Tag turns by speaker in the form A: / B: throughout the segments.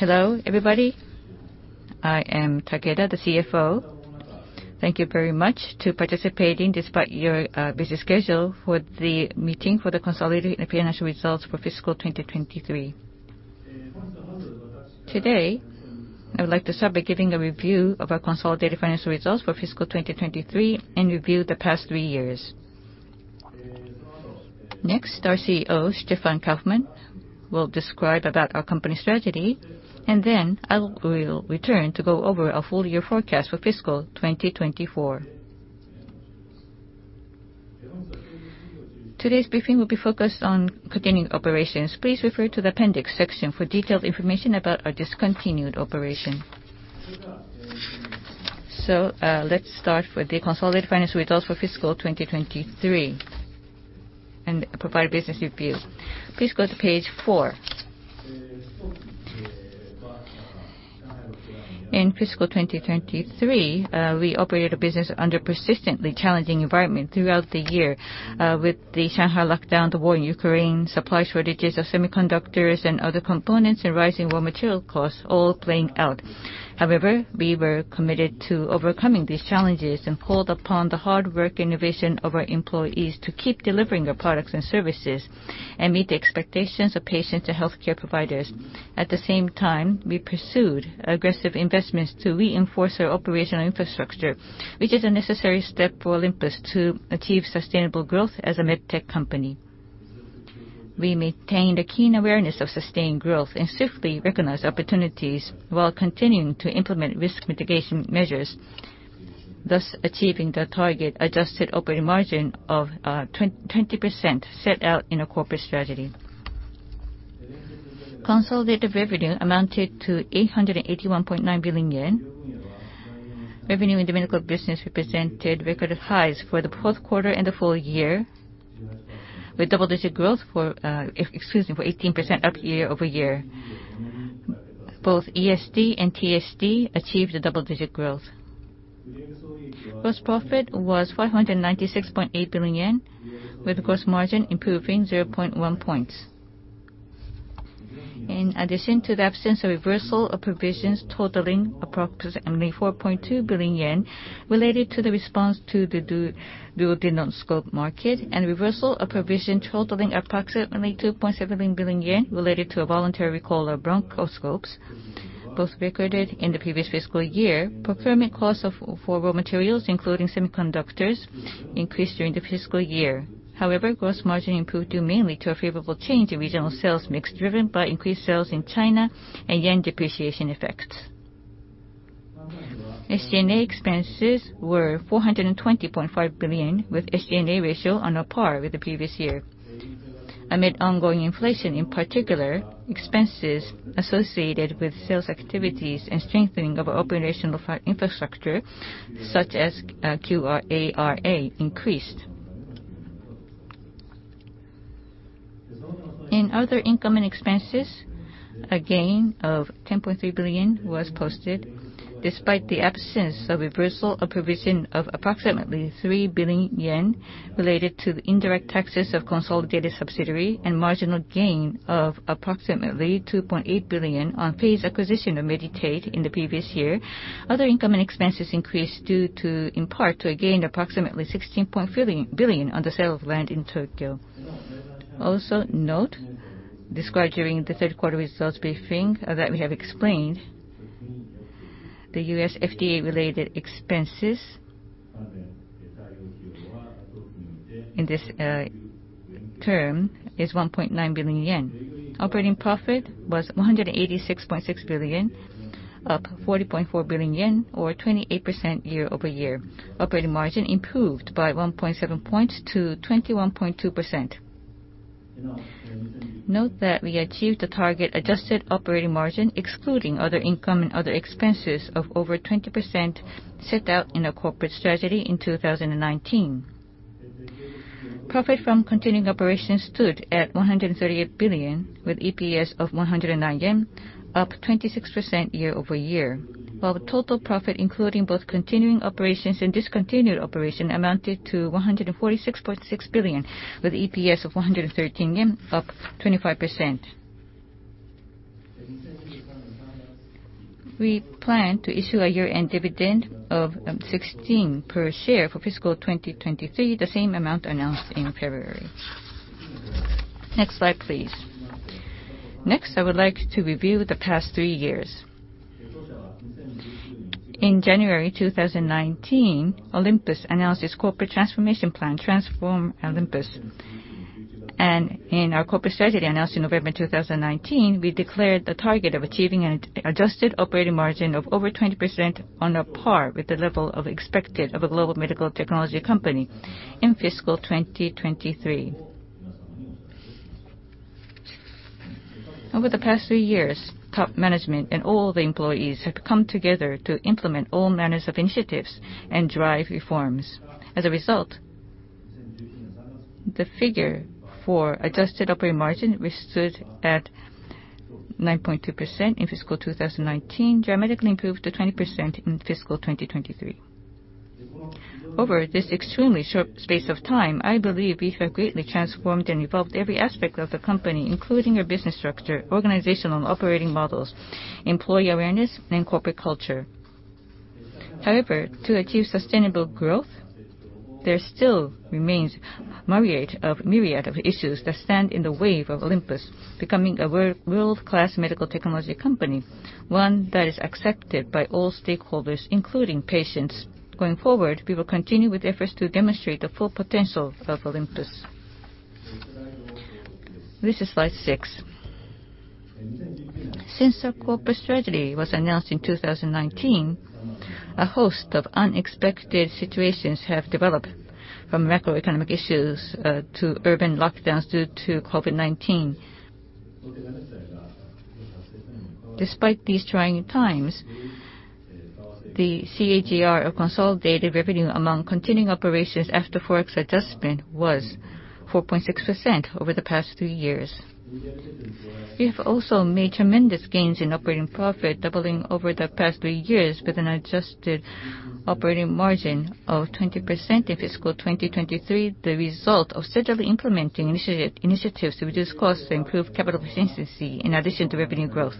A: Hello, everybody. I am Takeda, the CFO. Thank you very much to participating despite your busy schedule for the meeting for the consolidated financial results for fiscal 2023. Today, I would like to start by giving a review of our consolidated financial results for fiscal 2023 and review the past three years. Next, our CEO, Stefan Kaufmann, will describe about our company's strategy, and then I will return to go over our full year forecast for fiscal 2024. Today's briefing will be focused on continuing operations. Please refer to the Appendix section for detailed information about our discontinued operation. Let's start with the consolidated financial results for fiscal 2023 and provide business review. Please go to page 4. In fiscal 2023, we operated the business under persistently challenging environment throughout the year, with the Shanghai lockdown, the war in Ukraine, supply shortages of semiconductors and other components, and rising raw material costs all playing out. However, we were committed to overcoming these challenges and pulled upon the hard work innovation of our employees to keep delivering our products and services and meet the expectations of patients and healthcare providers. At the same time, we pursued aggressive investments to reinforce our operational infrastructure, which is a necessary step for Olympus to achieve sustainable growth as a MedTech company. We maintained a keen awareness of sustained growth and swiftly recognized opportunities while continuing to implement risk mitigation measures, thus achieving the target adjusted operating margin of 20% set out in our corporate strategy. Consolidated revenue amounted to 881.9 billion yen. Revenue in the medical business represented record highs for the fourth quarter and the full year with double-digit growth, excuse me, for 18% up year-over-year. Both ESD and TSD achieved a double-digit growth. Gross profit was 596.8 billion yen, with gross margin improving 0.1 points. In addition to the absence of reversal of provisions totaling approximately 4.2 billion yen related to the response to the duodenoscope market and reversal of provision totaling approximately 2.7 billion yen related to a voluntary recall of Bronchoscopes, both recorded in the previous fiscal year. Procurement costs for raw materials, including semiconductors, increased during the fiscal year. However, gross margin improved due mainly to a favorable change in regional sales mix driven by increased sales in China and yen depreciation effects. SG&A expenses were 420.5 billion, with SG&A ratio on par with the previous year. Amid ongoing inflation, in particular, expenses associated with sales activities and strengthening of our operational infrastructure, such as QARA increased. In other income and expenses, a gain of 10.3 billion was posted despite the absence of reversal of provision of approximately 3 billion yen related to the indirect taxes of consolidated subsidiary and marginal gain of approximately 2.8 billion on fees acquisition of Medi-Tate in the previous year. Other income and expenses increased due to, in part to a gain approximately 16 billion on the sale of land in Tokyo. Note described during the third quarter results briefing that we have explained the U.S. FDA related expenses in this term is 1.9 billion yen. Operating profit was 186.6 billion, up 40.4 billion yen or 28% year-over-year. Operating margin improved by 1.7 points to 21.2%. Note that we achieved a target adjusted operating margin excluding other income and other expenses of over 20% set out in our corporate strategy in 2019. Profit from continuing operations stood at 138 billion, with EPS of 109 yen, up 26% year-over-year. The total profit including both continuing operations and discontinued operation amounted to 146.6 billion, with EPS of 113 yen, up 25%. We plan to issue a year-end dividend of 16 per share for fiscal 2023, the same amount announced in February. Next slide, please. Next, I would like to review the past three years. In January 2019, Olympus announced its corporate transformation plan, Transform Olympus. In our corporate strategy announced in November 2019, we declared the target of achieving an adjusted operating margin of over 20% on a par with the level of expected of a global medical technology company in fiscal 2023. Over the past three years, top management and all the employees have come together to implement all manners of initiatives and drive reforms. As a result, the figure for adjusted operating margin, which stood at 9.2% in fiscal 2019, dramatically improved to 20% in fiscal 2023. Over this extremely short space of time, I believe we have greatly transformed and evolved every aspect of the company, including our business structure, organizational and operating models, employee awareness, and corporate culture. However, to achieve sustainable growth, there still remains myriad of issues that stand in the way of Olympus becoming a world-class medical technology company, one that is accepted by all stakeholders, including patients. Going forward, we will continue with efforts to demonstrate the full potential of Olympus. This is slide 6. Since our corporate strategy was announced in 2019, a host of unexpected situations have developed, from macroeconomic issues to urban lockdowns due to COVID-19. Despite these trying times, the CAGR of consolidated revenue among continuing operations after Forex adjustment was 4.6% over the past three years. We have also made tremendous gains in operating profit, doubling over the past three years with an adjusted operating margin of 20% in fiscal 2023, the result of steadily implementing initiatives to reduce costs to improve capital efficiency in addition to revenue growth.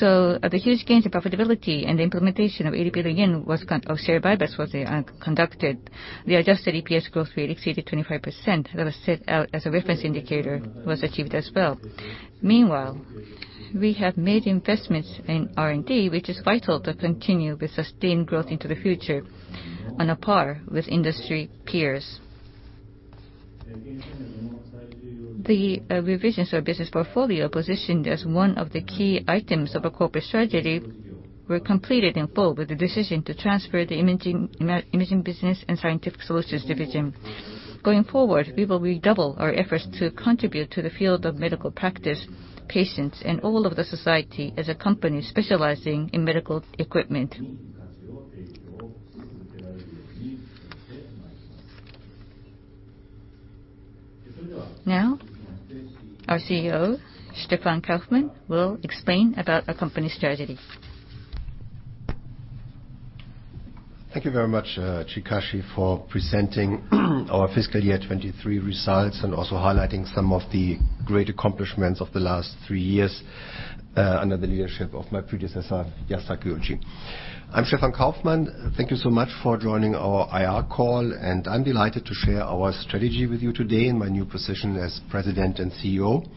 A: The huge gains in profitability and the implementation of JPY 80 billion of share buybacks was conducted. The adjusted EPS growth rate exceeded 25% that was set out as a reference indicator was achieved as well. Meanwhile, we have made investments in R&D, which is vital to continue with sustained growth into the future on a par with industry peers. The revisions to our business portfolio, positioned as one of the key items of our corporate strategy, were completed in full with the decision to transfer the imaging business and Scientific Solutions division. We will redouble our efforts to contribute to the field of medical practice, patients, and all of the society as a company specializing in medical equipment. Our CEO, Stefan Kaufmann, will explain about our company strategy.
B: Thank you very much, Chikashi, for presenting our fiscal yea 2023 results and also highlighting some of the great accomplishments of the last 3 years, under the leadership of my predecessor, Yasuyuki. I'm Stefan Kaufmann. Thank you so much for joining our IR call, and I'm delighted to share our strategy with you today in my new position as President and CEO.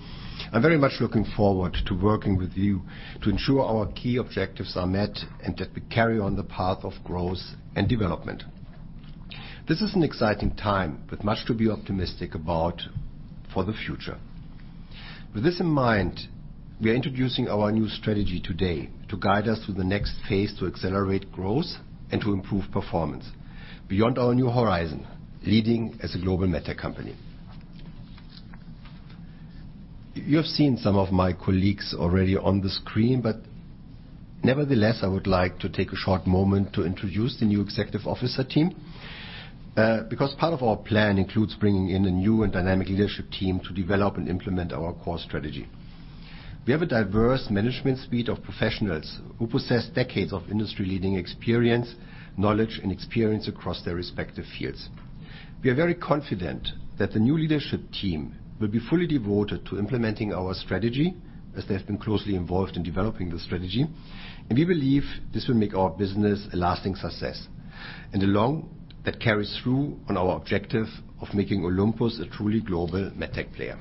B: I'm very much looking forward to working with you to ensure our key objectives are met and that we carry on the path of growth and development. This is an exciting time with much to be optimistic about for the future. With this in mind, we are introducing our new strategy today to guide us through the next phase to accelerate growth and to improve performance beyond our new horizon, leading as a global MedTech company. You have seen some of my colleagues already on the screen. Nevertheless, I would like to take a short moment to introduce the new executive officer team because part of our plan includes bringing in a new and dynamic leadership team to develop and implement our core strategy. We have a diverse management suite of professionals who possess decades of industry-leading experience, knowledge, and experience across their respective fields. We are very confident that the new leadership team will be fully devoted to implementing our strategy, as they have been closely involved in developing the strategy. We believe this will make our business a lasting success, and along that carries through on our objective of making Olympus a truly global MedTech player.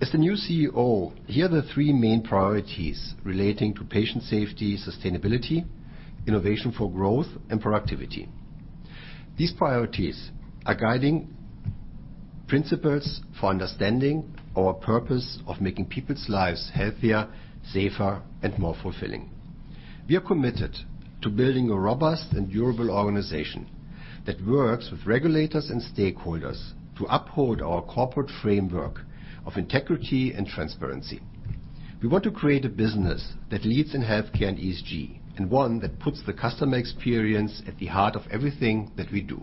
B: As the new CEO, here are the three main priorities relating to patient safety, sustainability, innovation for growth, and productivity. These priorities are guiding principles for understanding our purpose of making people's lives healthier, safer, and more fulfilling. We are committed to building a robust and durable organization that works with regulators and stakeholders to uphold our corporate framework of integrity and transparency. We want to create a business that leads in healthcare and ESG, and one that puts the customer experience at the heart of everything that we do.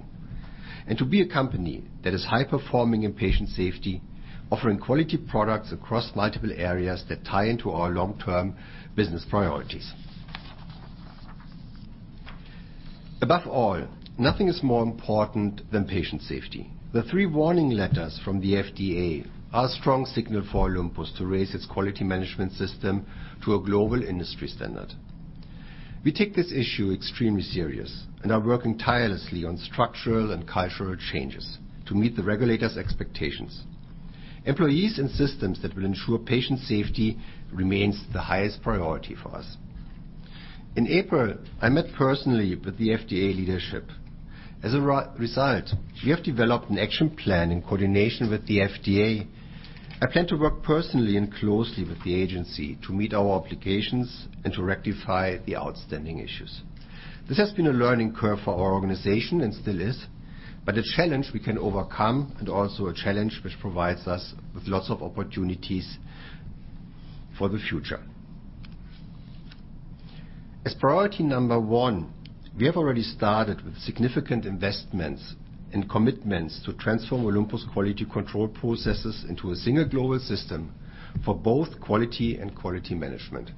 B: To be a company that is high-performing in patient safety, offering quality products across multiple areas that tie into our long-term business priorities. Above all, nothing is more important than patient safety. The three warning letters from the FDA are a strong signal for Olympus Corporation to raise its quality management system to a global industry standard. We take this issue extremely seriously and are working tirelessly on structural and cultural changes to meet the regulators' expectations. Employees and systems that will ensure patient safety remains the highest priority for us. In April, I met personally with the FDA leadership. As a result, we have developed an action plan in coordination with the FDA. I plan to work personally and closely with the agency to meet our obligations and to rectify the outstanding issues. This has been a learning curve for our organization and still is, but a challenge we can overcome and also a challenge which provides us with lots of opportunities for the future. As priority number one, we have already started with significant investments and commitments to Transform Olympus' quality control processes into a single global system for both quality and quality management.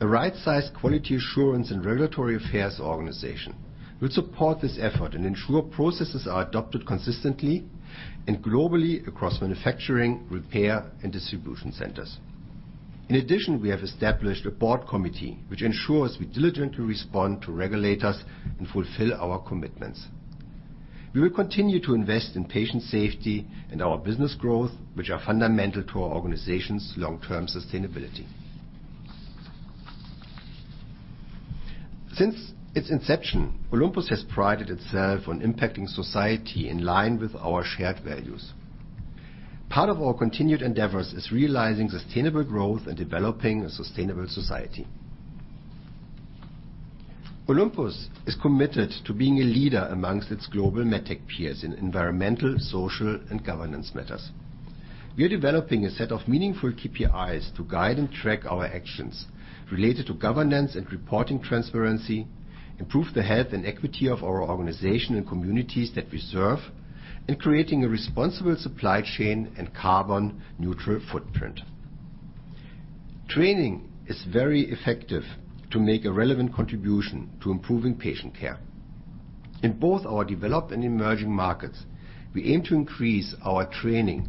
B: A right-sized quality assurance and regulatory affairs organization will support this effort and ensure processes are adopted consistently and globally across manufacturing, repair, and distribution centers. In addition, we have established a board committee which ensures we diligently respond to regulators and fulfill our commitments. We will continue to invest in patient safety and our business growth, which are fundamental to our organization's long-term sustainability. Since its inception, Olympus has prided itself on impacting society in line with our shared values. Part of our continued endeavors is realizing sustainable growth and developing a sustainable society. Olympus is committed to being a leader amongst its global MedTech peers in environmental, social, and governance matters. We are developing a set of meaningful KPIs to guide and track our actions related to governance and reporting transparency, improve the health and equity of our organization and communities that we serve, and creating a responsible supply chain and carbon neutral footprint. Training is very effective to make a relevant contribution to improving patient care. In both our developed and emerging markets, we aim to increase our training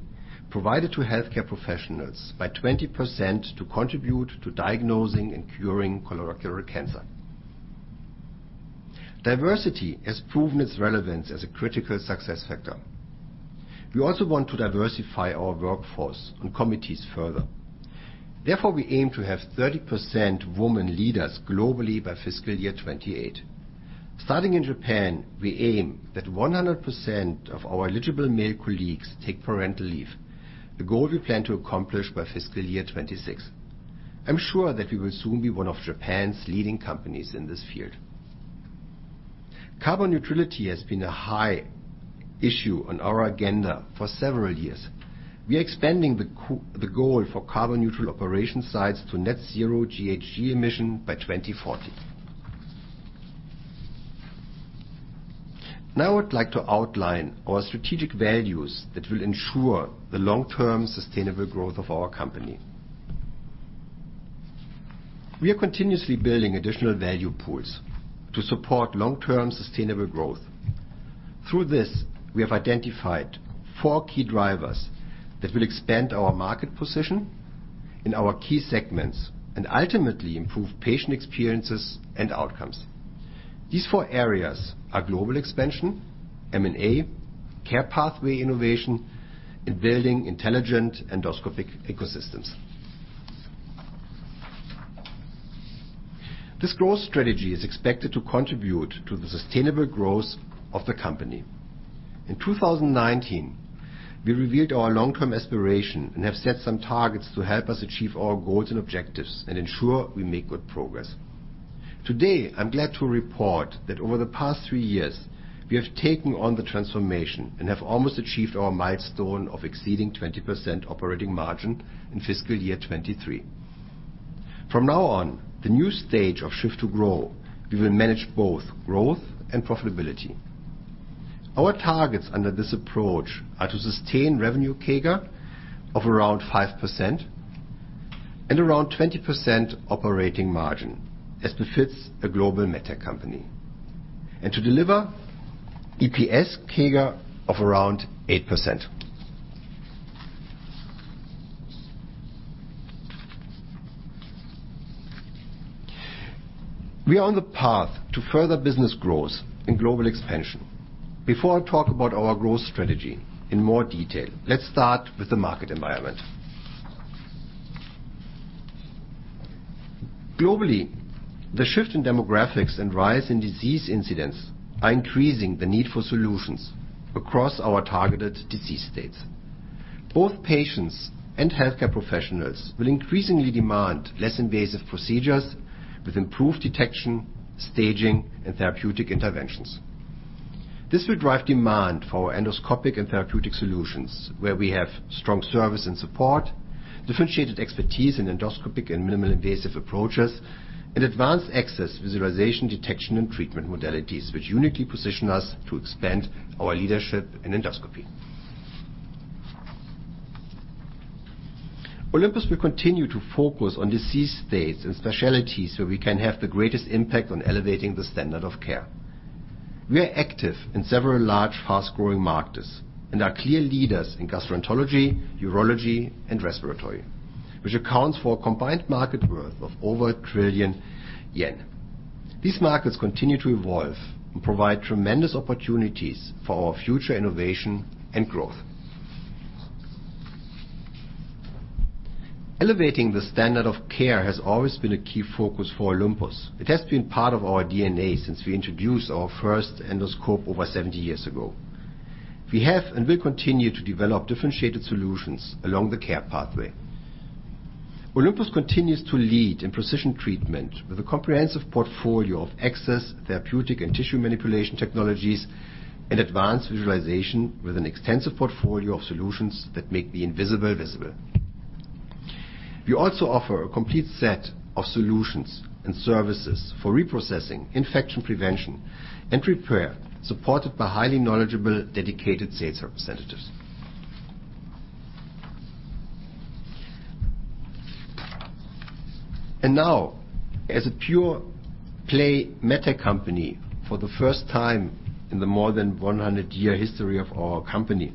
B: provided to healthcare professionals by 20% to contribute to diagnosing and curing colorectal cancer. Diversity has proven its relevance as a critical success factor. We also want to diversify our workforce and committees further. We aim to have 30% women leaders globally by fiscal year 2028. Starting in Japan, we aim that 100% of our eligible male colleagues take parental leave, a goal we plan to accomplish by fiscal year 2026. I'm sure that we will soon be one of Japan's leading companies in this field. Carbon neutrality has been a high issue on our agenda for several years. We are expanding the goal for carbon neutral operation sites to net zero GHG emission by 2040. Now I would like to outline our strategic values that will ensure the long-term sustainable growth of our company. We are continuously building additional value pools to support long-term sustainable growth. Through this, we have identified four key drivers that will expand our market position in our key segments and ultimately improve patient experiences and outcomes. These four areas are global expansion, M&A, Care Pathway innovation, and building intelligent endoscopic ecosystems. This growth strategy is expected to contribute to the sustainable growth of the company. In 2019, we revealed our long-term aspiration and have set some targets to help us achieve our goals and objectives and ensure we make good progress. Today, I'm glad to report that over the past three years, we have taken on the transformation and have almost achieved our milestone of exceeding 20% operating margin in fiscal year 2023. From now on, the new stage of Shift to Grow, we will manage both growth and profitability. Our targets under this approach are to sustain revenue CAGR of around 5% and around 20% operating margin, as befits a global MedTech company, and to deliver EPS CAGR of around 8%. We are on the path to further business growth and global expansion. Before I talk about our growth strategy in more detail, let's start with the market environment. Globally, the shift in demographics and rise in disease incidents are increasing the need for solutions across our targeted disease states. Both patients and healthcare professionals will increasingly demand less invasive procedures with improved detection, staging, and therapeutic interventions. This will drive demand for endoscopic and therapeutic solutions where we have strong service and support, differentiated expertise in endoscopic and minimal invasive approaches, and advanced access, visualization, detection, and treatment modalities, which uniquely position us to expand our leadership in Endoscopy. Olympus will continue to focus on disease states and specialties where we can have the greatest impact on elevating the standard of care. We are active in several large, fast-growing markets and are clear leaders in Gastroenterology, Urology, and Respiratory, which accounts for a combined market worth of over 1 trillion yen. These markets continue to evolve and provide tremendous opportunities for our future innovation and growth. Elevating the standard of care has always been a key focus for Olympus. It has been part of our DNA since we introduced our first endoscope over 70 years ago. We have and will continue to develop differentiated solutions along the Care Pathway. Olympus continues to lead in precision treatment with a comprehensive portfolio of access, therapeutic, and tissue manipulation technologies and advanced visualization with an extensive portfolio of solutions that make the invisible visible. We also offer a complete set of solutions and services for reprocessing, infection prevention, and repair, supported by highly knowledgeable, dedicated sales representatives. Now, as a pure play MedTech company, for the first time in the more than 100-year history of our company,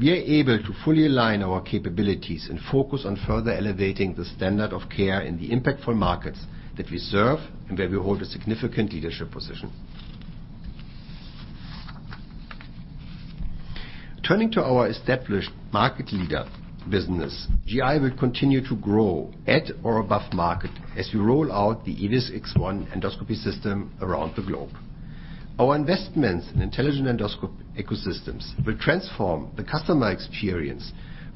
B: we are able to fully align our capabilities and focus on further elevating the standard of care in the impactful markets that we serve and where we hold a significant leadership position. Turning to our established market leader business, GI will continue to grow at or above market as we roll out the EVIS X1 Endoscopy System around the globe. Our investments in intelligent endoscope ecosystems will transform the customer experience,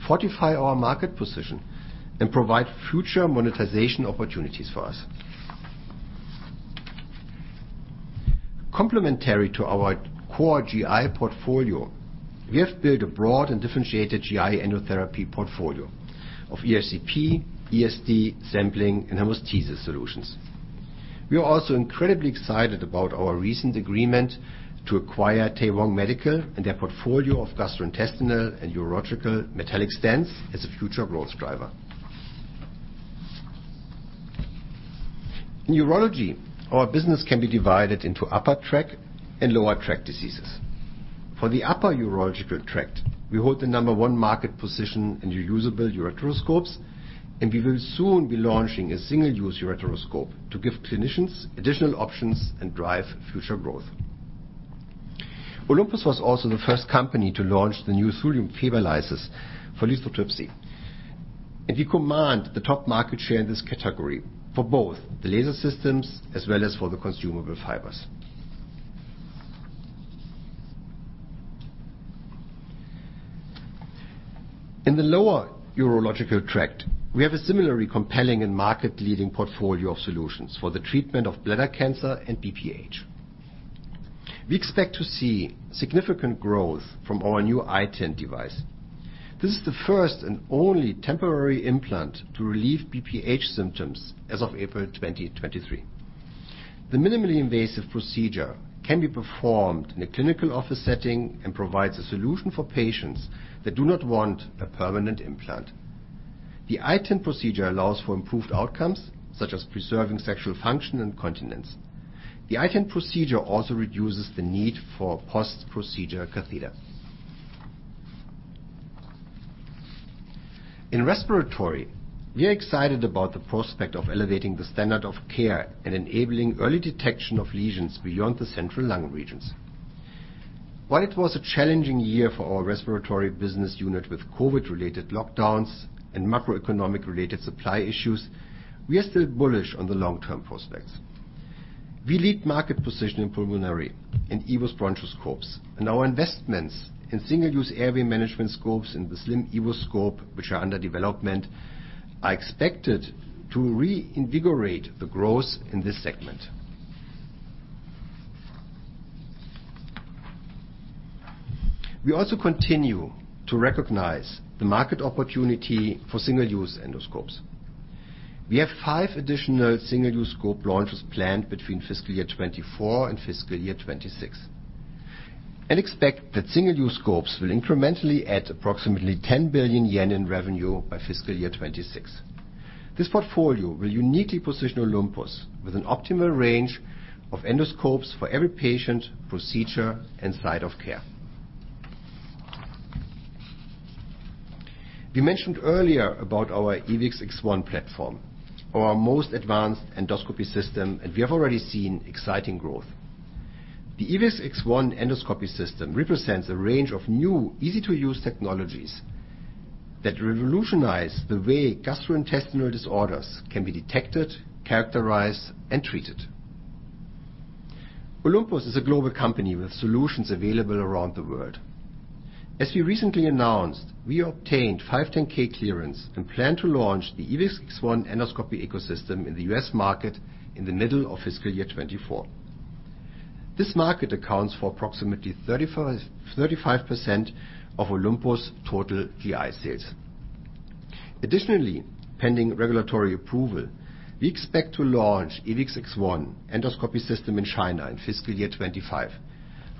B: fortify our market position, and provide future monetization opportunities for us. Complementary to our core GI portfolio, we have built a broad and differentiated GI EndoTherapy portfolio of ERCP, ESD, sampling, and hemostasis solutions. We are also incredibly excited about our recent agreement to acquire Taewoong Medical and their portfolio of Gastrointestinal and urological Metallic Stents as a future growth driver. In Urology, our business can be divided into upper tract and lower tract diseases. For the upper urological tract, we hold the number one market position in reusable Ureteroscopes. We will soon be launching a single-use Ureteroscope to give clinicians additional options and drive future growth. Olympus was also the first company to launch the new Thulium Fiber Lasers for lithotripsy. We command the top market share in this category for both the Laser Systems as well as for the consumable fibers. In the lower urological tract, we have a similarly compelling and market-leading portfolio of solutions for the treatment of bladder cancer and BPH. We expect to see significant growth from our new iTind Device. This is the first and only temporary implant to relieve BPH symptoms as of April 2023. The minimally invasive procedure can be performed in a clinical office setting and provides a solution for patients that do not want a permanent implant. The iTind procedure allows for improved outcomes such as preserving sexual function and continence. The iTind procedure also reduces the need for post-procedure catheter. In Respiratory, we are excited about the prospect of elevating the standard of care and enabling early detection of lesions beyond the central lung regions. While it was a challenging year for our Respiratory business unit with COVID-related lockdowns and macroeconomic-related supply issues, we are still bullish on the long-term prospects. We lead market position in pulmonary and EVIS Bronchoscopes, and our investments in single-use airway management scopes and the slim EVIS X1 scope, which are under development, are expected to reinvigorate the growth in this segment. We also continue to recognize the market opportunity for single-use endoscopes. We have five additional single-use scope launches planned between fiscal year 2024 and fiscal year 2026, and expect that single-use scopes will incrementally add approximately 10 billion yen in revenue by fiscal year 2026. This portfolio will uniquely position Olympus with an optimal range of endoscopes for every patient, procedure, and site of care. We mentioned earlier about our EVIS X1 platform, our most advanced endoscopy system, and we have already seen exciting growth. The EVIS X1 Endoscopy System represents a range of new, easy-to-use technologies that revolutionize the way gastrointestinal disorders can be detected, characterized, and treated. Olympus is a global company with solutions available around the world. As we recently announced, we obtained 510(k) clearance and plan to launch the EVIS X1 Endoscopy ecosystem in the U.S. market in the middle of fiscal year 2024. This market accounts for approximately 35% of Olympus' total GI sales. Pending regulatory approval, we expect to launch EVIS X1 Endoscopy System in China in fiscal year 2025,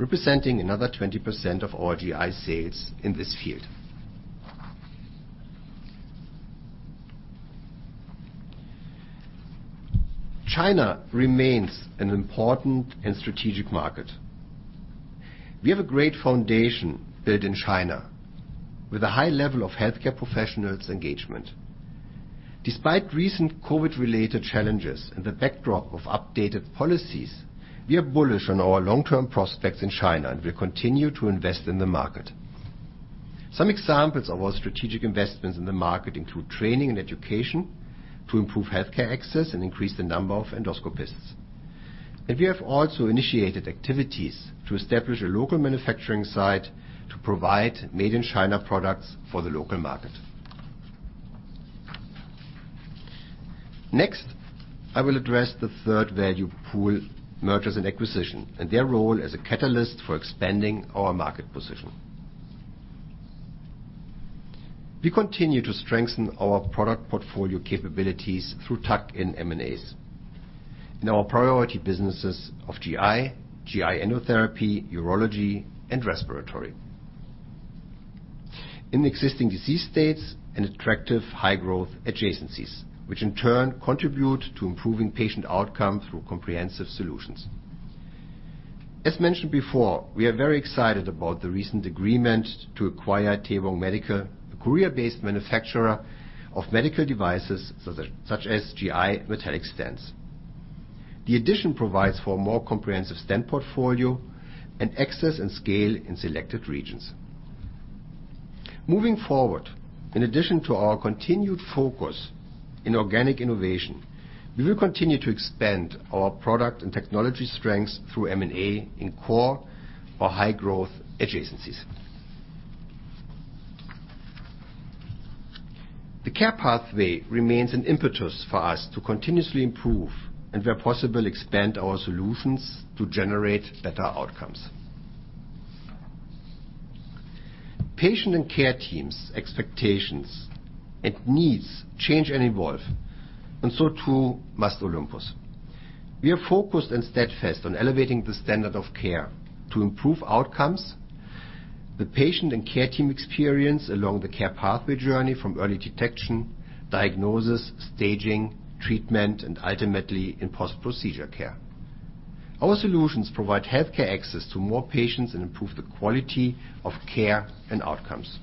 B: representing another 20% of our GI sales in this field. China remains an important and strategic market. We have a great foundation built in China with a high level of healthcare professionals' engagement. Despite recent COVID-related challenges and the backdrop of updated policies, we are bullish on our long-term prospects in China and will continue to invest in the market. Some examples of our strategic investments in the market include training and education to improve healthcare access and increase the number of endoscopists. We have also initiated activities to establish a local manufacturing site to provide made-in-China products for the local market. Next, I will address the third value pool, mergers and acquisition, and their role as a catalyst for expanding our market position. We continue to strengthen our product portfolio capabilities through tuck-in M&As. In our priority businesses of GI Endotherapy, Urology, and Respiratory, in existing disease states and attractive high-growth adjacencies, which in turn contribute to improving patient outcome through comprehensive solutions. As mentioned before, we are very excited about the recent agreement to acquire Taewoong Medical, a Korea-based manufacturer of medical devices such as GI Metallic Stents. The addition provides for a more comprehensive stent portfolio and access and scale in selected regions. In addition to our continued focus in organic innovation, we will continue to expand our product and technology strengths through M&A in core or high-growth adjacencies. The Care Pathway remains an impetus for us to continuously improve and, where possible, expand our solutions to generate better outcomes. Patient and care teams expectations and needs change and evolve, so too must Olympus. We are focused and steadfast on elevating the standard of care to improve outcomes. The patient and care team experience along the Care Pathway journey from early detection, diagnosis, staging, treatment, and ultimately in post-procedure care. Our solutions provide healthcare access to more patients and improve the quality of care and outcomes.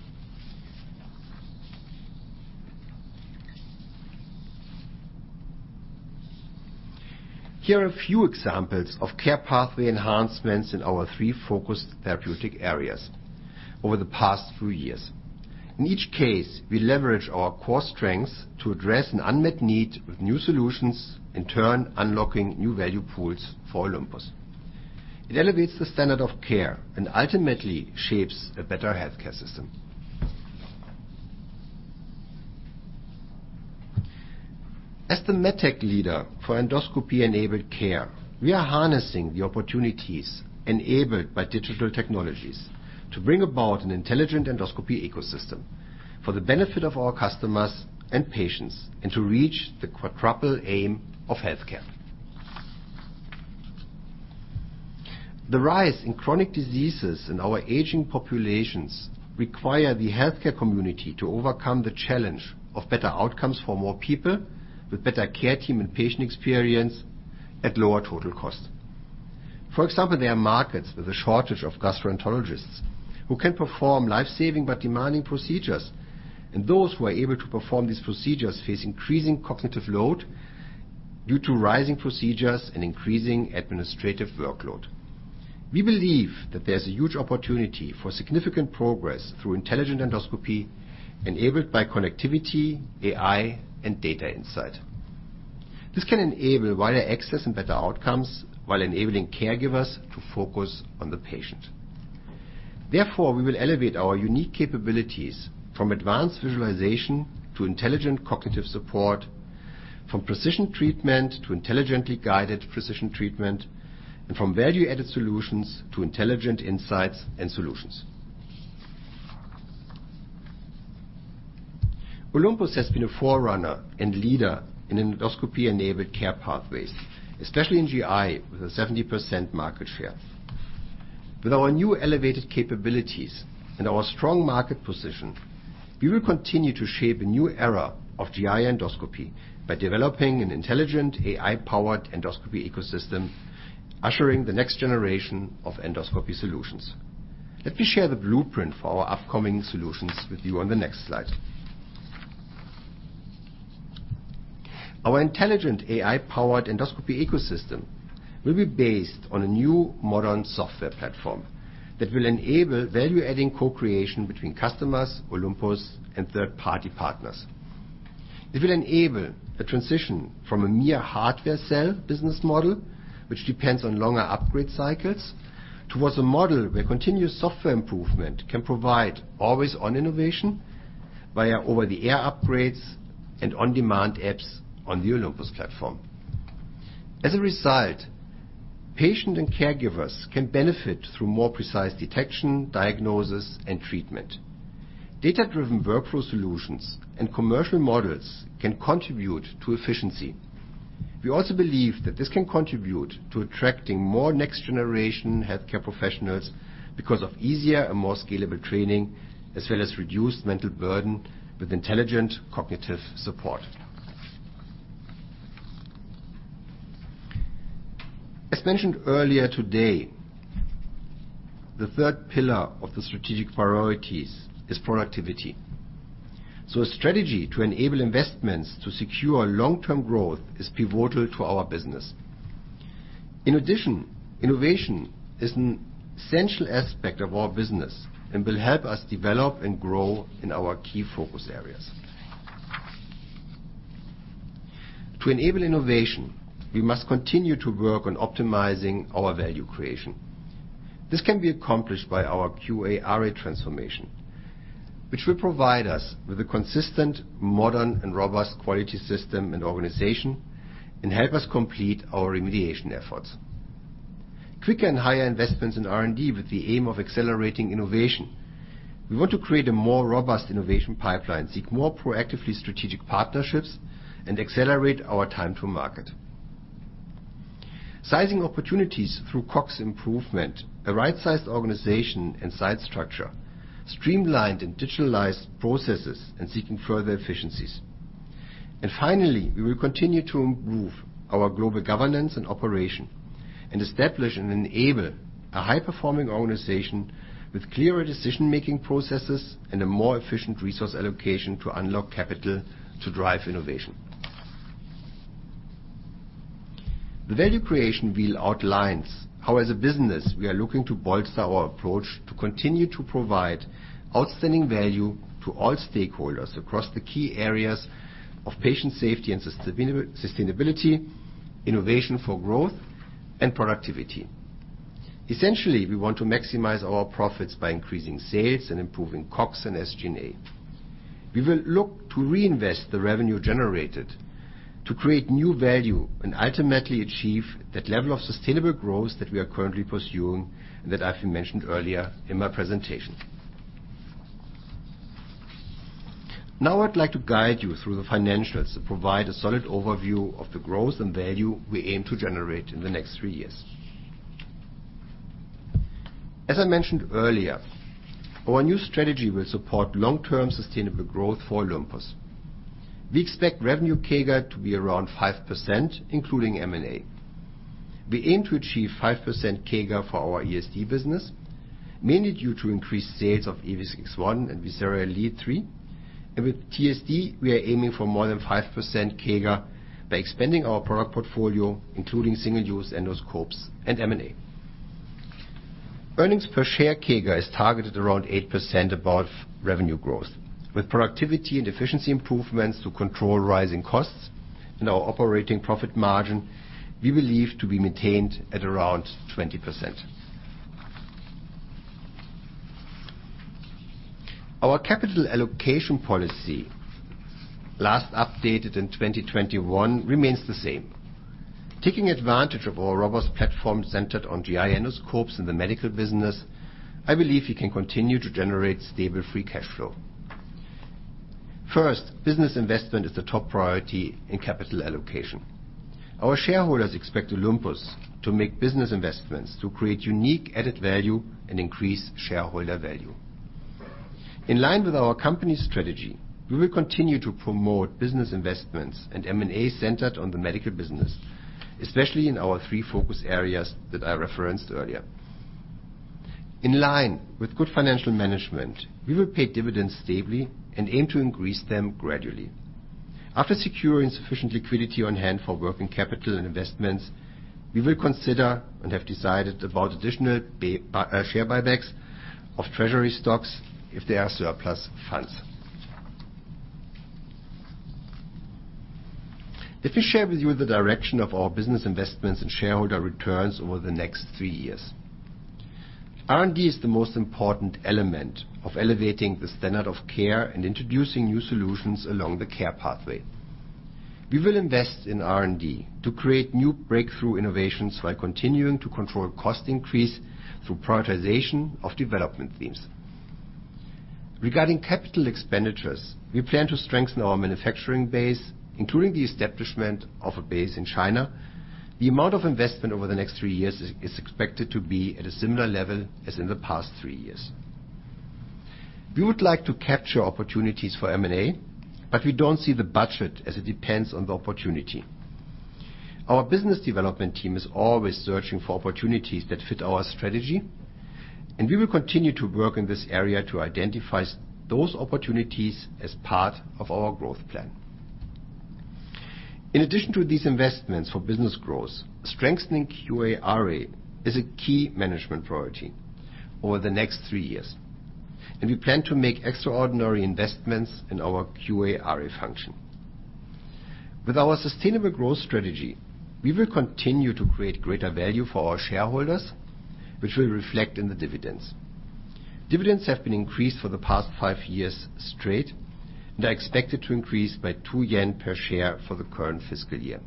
B: Here are a few examples of Care Pathway Enhancements in our three focused therapeutic areas over the past few years. In each case, we leverage our core strengths to address an unmet need with new solutions, in turn, unlocking new value pools for Olympus. It elevates the standard of care and ultimately shapes a better healthcare system. As the MedTech leader for endoscopy-enabled care, we are harnessing the opportunities enabled by digital technologies to bring about an intelligent endoscopy ecosystem for the benefit of our customers and patients, to reach the quadruple aim of healthcare. The rise in chronic diseases in our aging populations require the healthcare community to overcome the challenge of better outcomes for more people with better care team and patient experience at lower total cost. For example, there are markets with a shortage of gastroenterologists who can perform life-saving but demanding procedures, and those who are able to perform these procedures face increasing cognitive load due to rising procedures and increasing administrative workload. We believe that there's a huge opportunity for significant progress through intelligent endoscopy enabled by connectivity, AI, and data insight. This can enable wider access and better outcomes while enabling caregivers to focus on the patient. Therefore, we will elevate our unique capabilities from advanced visualization to intelligent cognitive support, from precision treatment to intelligently guided precision treatment, and from value-added solutions to intelligent insights and solutions. Olympus has been a forerunner and leader in endoscopy-enabled Care Pathways, especially in GI, with a 70% market share. With our new elevated capabilities and our strong market position, we will continue to shape a new era of GI endoscopy by developing an intelligent AI-powered endoscopy ecosystem, ushering the next generation of endoscopy solutions. Let me share the blueprint for our upcoming solutions with you on the next slide. Our intelligent AI-powered endoscopy ecosystem will be based on a new modern software platform that will enable value-adding co-creation between customers, Olympus, and third-party partners. It will enable a transition from a mere hardware sell business model, which depends on longer upgrade cycles, towards a model where continuous software improvement can provide always-on innovation via over-the-air upgrades and on-demand apps on the Olympus platform. As a result, patient and caregivers can benefit through more precise detection, diagnosis, and treatment. Data-driven workflow solutions and commercial models can contribute to efficiency. We also believe that this can contribute to attracting more next-generation healthcare professionals because of easier and more scalable training, as well as reduced mental burden with intelligent cognitive support. As mentioned earlier today, the third pillar of the strategic priorities is productivity. A strategy to enable investments to secure long-term growth is pivotal to our business. In addition, innovation is an essential aspect of our business and will help us develop and grow in our key focus areas. To enable innovation, we must continue to work on optimizing our value creation. This can be accomplished by our QARA transformation, which will provide us with a consistent, modern, and robust quality system and organization, and help us complete our remediation efforts. Quicker and higher investments in R&D with the aim of accelerating innovation. We want to create a more robust innovation pipeline, seek more proactively strategic partnerships, and accelerate our time to market. Sizing opportunities through COGS improvement, a right-sized organization and site structure, streamlined and digitalized processes, and seeking further efficiencies. Finally, we will continue to improve our global governance and operation and establish and enable a high-performing organization with clearer decision-making processes and a more efficient resource allocation to unlock capital to drive innovation. The value creation wheel outlines how, as a business, we are looking to bolster our approach to continue to provide outstanding value to all stakeholders across the key areas of patient safety and sustainability, innovation for growth, and productivity. Essentially, we want to maximize our profits by increasing sales and improving COGS and SG&A. We will look to reinvest the revenue generated to create new value and ultimately achieve that level of sustainable growth that we are currently pursuing, and that I've mentioned earlier in my presentation. I'd like to guide you through the financials that provide a solid overview of the growth and value we aim to generate in the next three years. As I mentioned earlier, our new strategy will support long-term sustainable growth for Olympus. We expect revenue CAGR to be around 5%, including M&A. We aim to achieve 5% CAGR for our ESD business, mainly due to increased sales of BX61 and VISERA ELITE III. With TSD, we are aiming for more than 5% CAGR by expanding our product portfolio, including single-use endoscopes and M&A. Earnings per share CAGR is targeted around 8% above revenue growth. With productivity and efficiency improvements to control rising costs in our operating profit margin, we believe to be maintained at around 20%. Our capital allocation policy, last updated in 2021, remains the same. Taking advantage of our robust platform centered on GI endoscopes in the medical business, I believe we can continue to generate stable free cash flow. First, business investment is the top priority in capital allocation. Our shareholders expect Olympus to make business investments to create unique added value and increase shareholder value. In line with our company strategy, we will continue to promote business investments and M&A centered on the medical business, especially in our three focus areas that I referenced earlier. In line with good financial management, we will pay dividends stably and aim to increase them gradually. After securing sufficient liquidity on hand for working capital and investments, we will consider and have decided about additional share buybacks of treasury stocks if there are surplus funds. Let me share with you the direction of our business investments and shareholder returns over the next three years. R&D is the most important element of elevating the standard of care and introducing new solutions along the Care Pathway. We will invest in R&D to create new breakthrough innovations while continuing to control cost increase through prioritization of development themes. Regarding capital expenditures, we plan to strengthen our manufacturing base, including the establishment of a base in China. The amount of investment over the next three years is expected to be at a similar level as in the past three years. We would like to capture opportunities for M&A, but we don't see the budget as it depends on the opportunity. Our business development team is always searching for opportunities that fit our strategy, and we will continue to work in this area to identify those opportunities as part of our growth plan. In addition to these investments for business growth, strengthening QARA is a key management priority over the next three years. We plan to make extraordinary investments in our QARA function. With our sustainable growth strategy, we will continue to create greater value for our shareholders, which will reflect in the dividends. Dividends have been increased for the past five years straight and are expected to increase by 2 yen per share for the current fiscal year.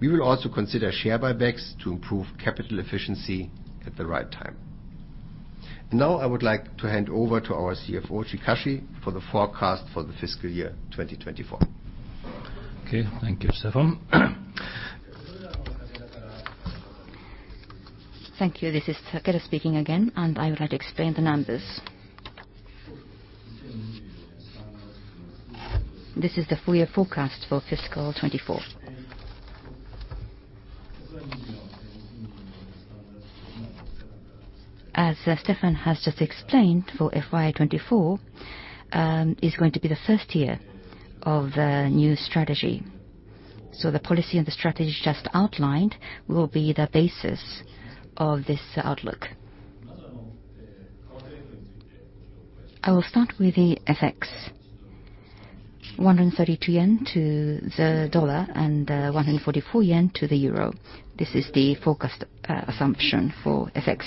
B: We will also consider share buybacks to improve capital efficiency at the right time. Now, I would like to hand over to our CFO, Chikashi, for the forecast for the fiscal year 2024.
A: Okay. Thank you, Stefan. Thank you. This is Takeda speaking again. I would like to explain the numbers. This is the full year forecast for fiscal 2024. As Stefan has just explained, for FY 2024 is going to be the first year of the new strategy. The policy and the strategy just outlined will be the basis of this outlook. I will start with the FX. 132 yen to the dollar and 144 yen to the euro. This is the forecast assumption for FX.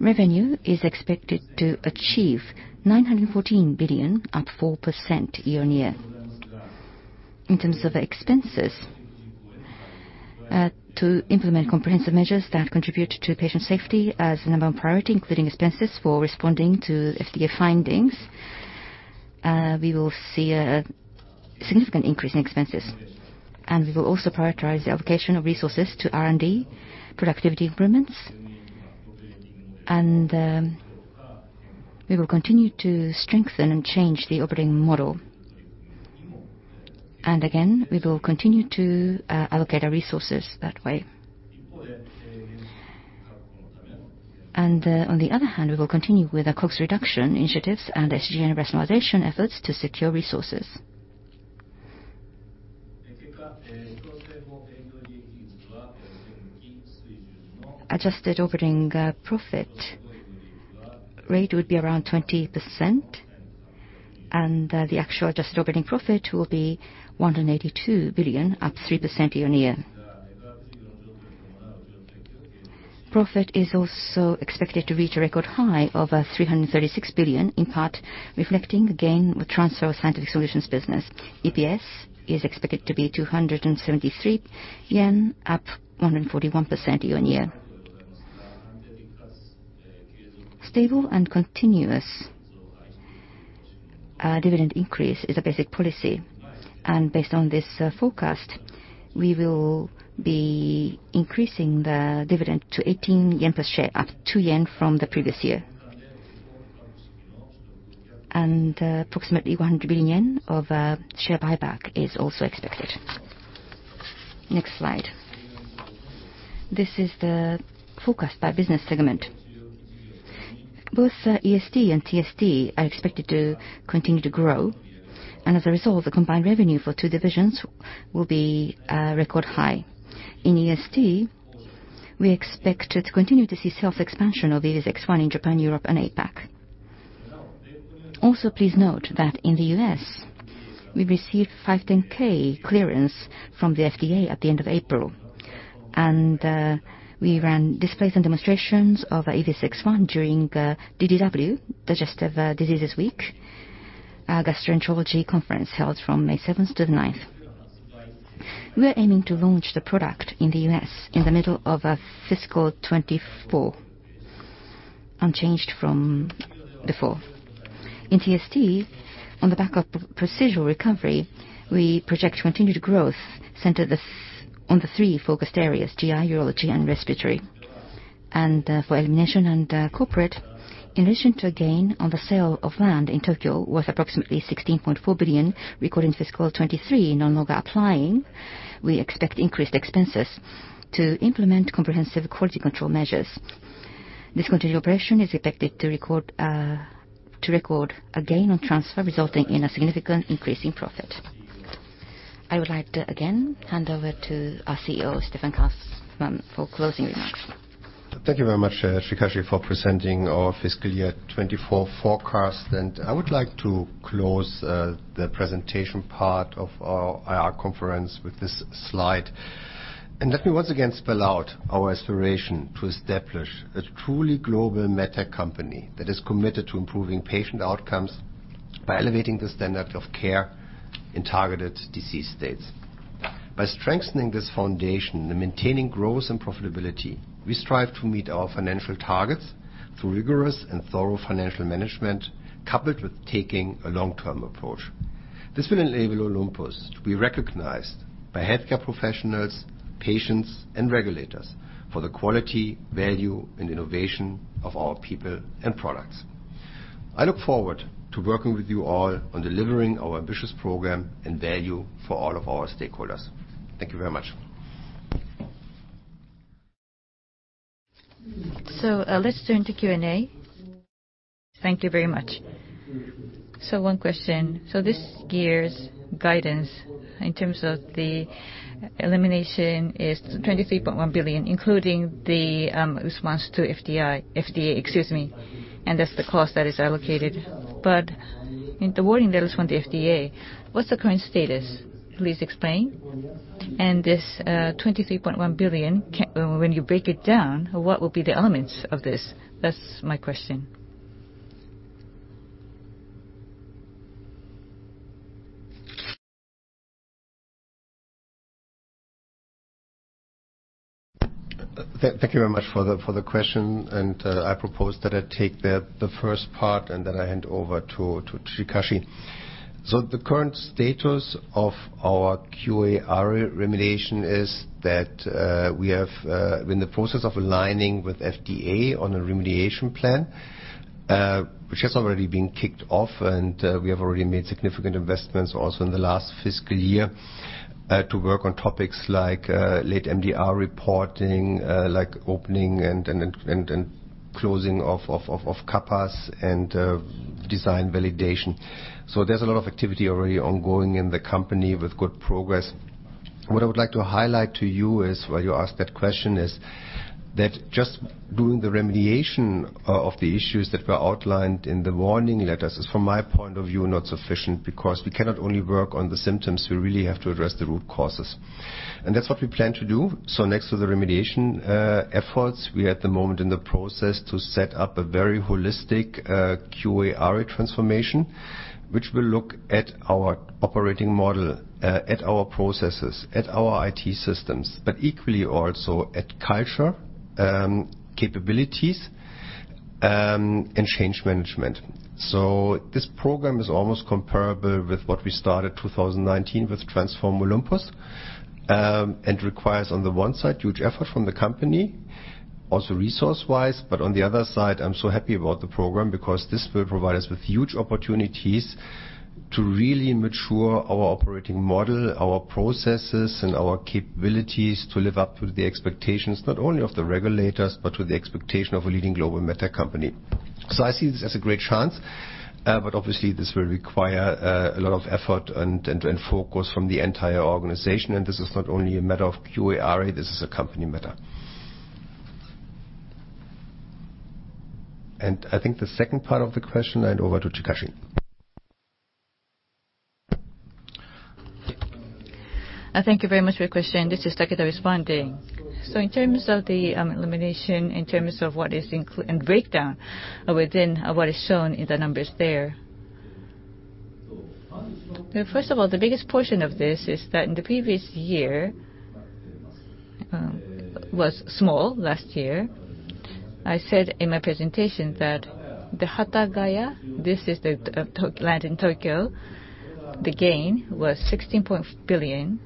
A: Revenue is expected to achieve 914 billion, up 4% year-on-year. In terms of expenses, to implement comprehensive measures that contribute to patient safety as the number one priority, including expenses for responding to FDA findings, we will see a significant increase in expenses. We will also prioritize the allocation of resources to R&D productivity improvements. We will continue to strengthen and change the operating model. Again, we will continue to allocate our resources that way. On the other hand, we will continue with our cost reduction initiatives and SG&A rationalization efforts to secure resources. Adjusted operating profit rate would be around 20%, and the actual adjusted operating profit will be 182 billion, up 3% year-on-year. Profit is also expected to reach a record high of 336 billion, in part reflecting gain with transfer of Scientific Solutions business. EPS is expected to be 273 yen, up 141% year-on-year. Stable and continuous dividend increase is a basic policy. Based on this forecast, we will be increasing the dividend to 18 yen per share, up 2 yen from the previous year. Approximately 100 billion yen of share buyback is also expected. Next slide. This is the forecast by business segment. Both ESD and TSD are expected to continue to grow, and as a result, the combined revenue for two divisions will be record high. In ESD, we expect to continue to see sales expansion of BX61 in Japan, Europe, and APAC. Also, please note that in the U.S., we received 510(k) clearance from the FDA at the end of April. We ran displays and demonstrations of BX61 during DDW, Digestive Diseases Week, a Gastroenterology Conference held from May 7th to the 9th. We are aiming to launch the product in the U.S. in the middle of fiscal 2024, unchanged from before. In TSD, on the back of procedural recovery, we project continued growth centered on the three focused areas, GI, Urology, and Respiratory. For elimination and corporate, in addition to a gain on the sale of land in Tokyo worth approximately 16.4 billion recorded in fiscal 2023 no longer applying, we expect increased expenses to implement comprehensive quality control measures. Discontinued operation is expected to record a gain on transfer, resulting in a significant increase in profit. I would like to, again, hand over to our CEO, Stefan Kaufmann, for closing remarks.
B: Thank you very much, Chikashi, for presenting our fiscal year 2024 forecast. I would like to close the presentation part of our IR conference with this slide. Let me once again spell out our aspiration to establish a truly global MedTech company that is committed to improving patient outcomes by elevating the standard of care in targeted disease states. By strengthening this foundation and maintaining growth and profitability, we strive to meet our financial targets through rigorous and thorough financial management, coupled with taking a long-term approach. This will enable Olympus to be recognized by healthcare professionals, patients, and regulators for the quality, value, and innovation of our people and products. I look forward to working with you all on delivering our ambitious program and value for all of our stakeholders. Thank you very much.
C: Let's turn to Q&A.
D: Thank you very much. One question. This year's guidance in terms of the elimination is 23.1 billion, including the response to FDA, excuse me, and that's the cost that is allocated. In the warning letters from the FDA, what's the current status? Please explain. This 23.1 billion, when you break it down, what will be the elements of this? That's my question.
B: Thank you very much for the question, and I propose that I take the first part, and then I hand over to Chikashi. The current status of our QARA remediation is that we have been in the process of aligning with FDA on a remediation plan, which has already been kicked off, and we have already made significant investments also in the last fiscal year to work on topics like late MDR reporting, like opening and closing of CAPAs and design validation. There's a lot of activity already ongoing in the company with good progress. What I would like to highlight to you is, while you ask that question, is that just doing the remediation of the issues that were outlined in the warning letters is, from my point of view, not sufficient, because we cannot only work on the symptoms, we really have to address the root causes. That's what we plan to do. Next to the remediation efforts, we are at the moment in the process to set up a very holistic QARA transformation, which will look at our operating model, at our processes, at our IT systems, but equally also at culture, capabilities, and change management. This program is almost comparable with what we started 2019 with Transform Olympus. Requires on the one side huge effort from the company, also resource-wise, but on the other side, I'm so happy about the program because this will provide us with huge opportunities to really mature our operating model, our processes, and our capabilities to live up to the expectations not only of the regulators, but to the expectation of a leading global MedTech company. I see this as a great chance, but obviously this will require a lot of effort and focus from the entire organization. This is not only a matter of QARA, this is a company matter. I think the second part of the question, hand over to Chikashi.
A: Thank you very much for your question. This is Takeda responding. In terms of the elimination, in terms of what is and breakdown within what is shown in the numbers there. First of all, the biggest portion of this is that in the previous year was small last year. I said in my presentation that the Hatagaya, this is the To-land in Tokyo, the gain was JPY 16 billion.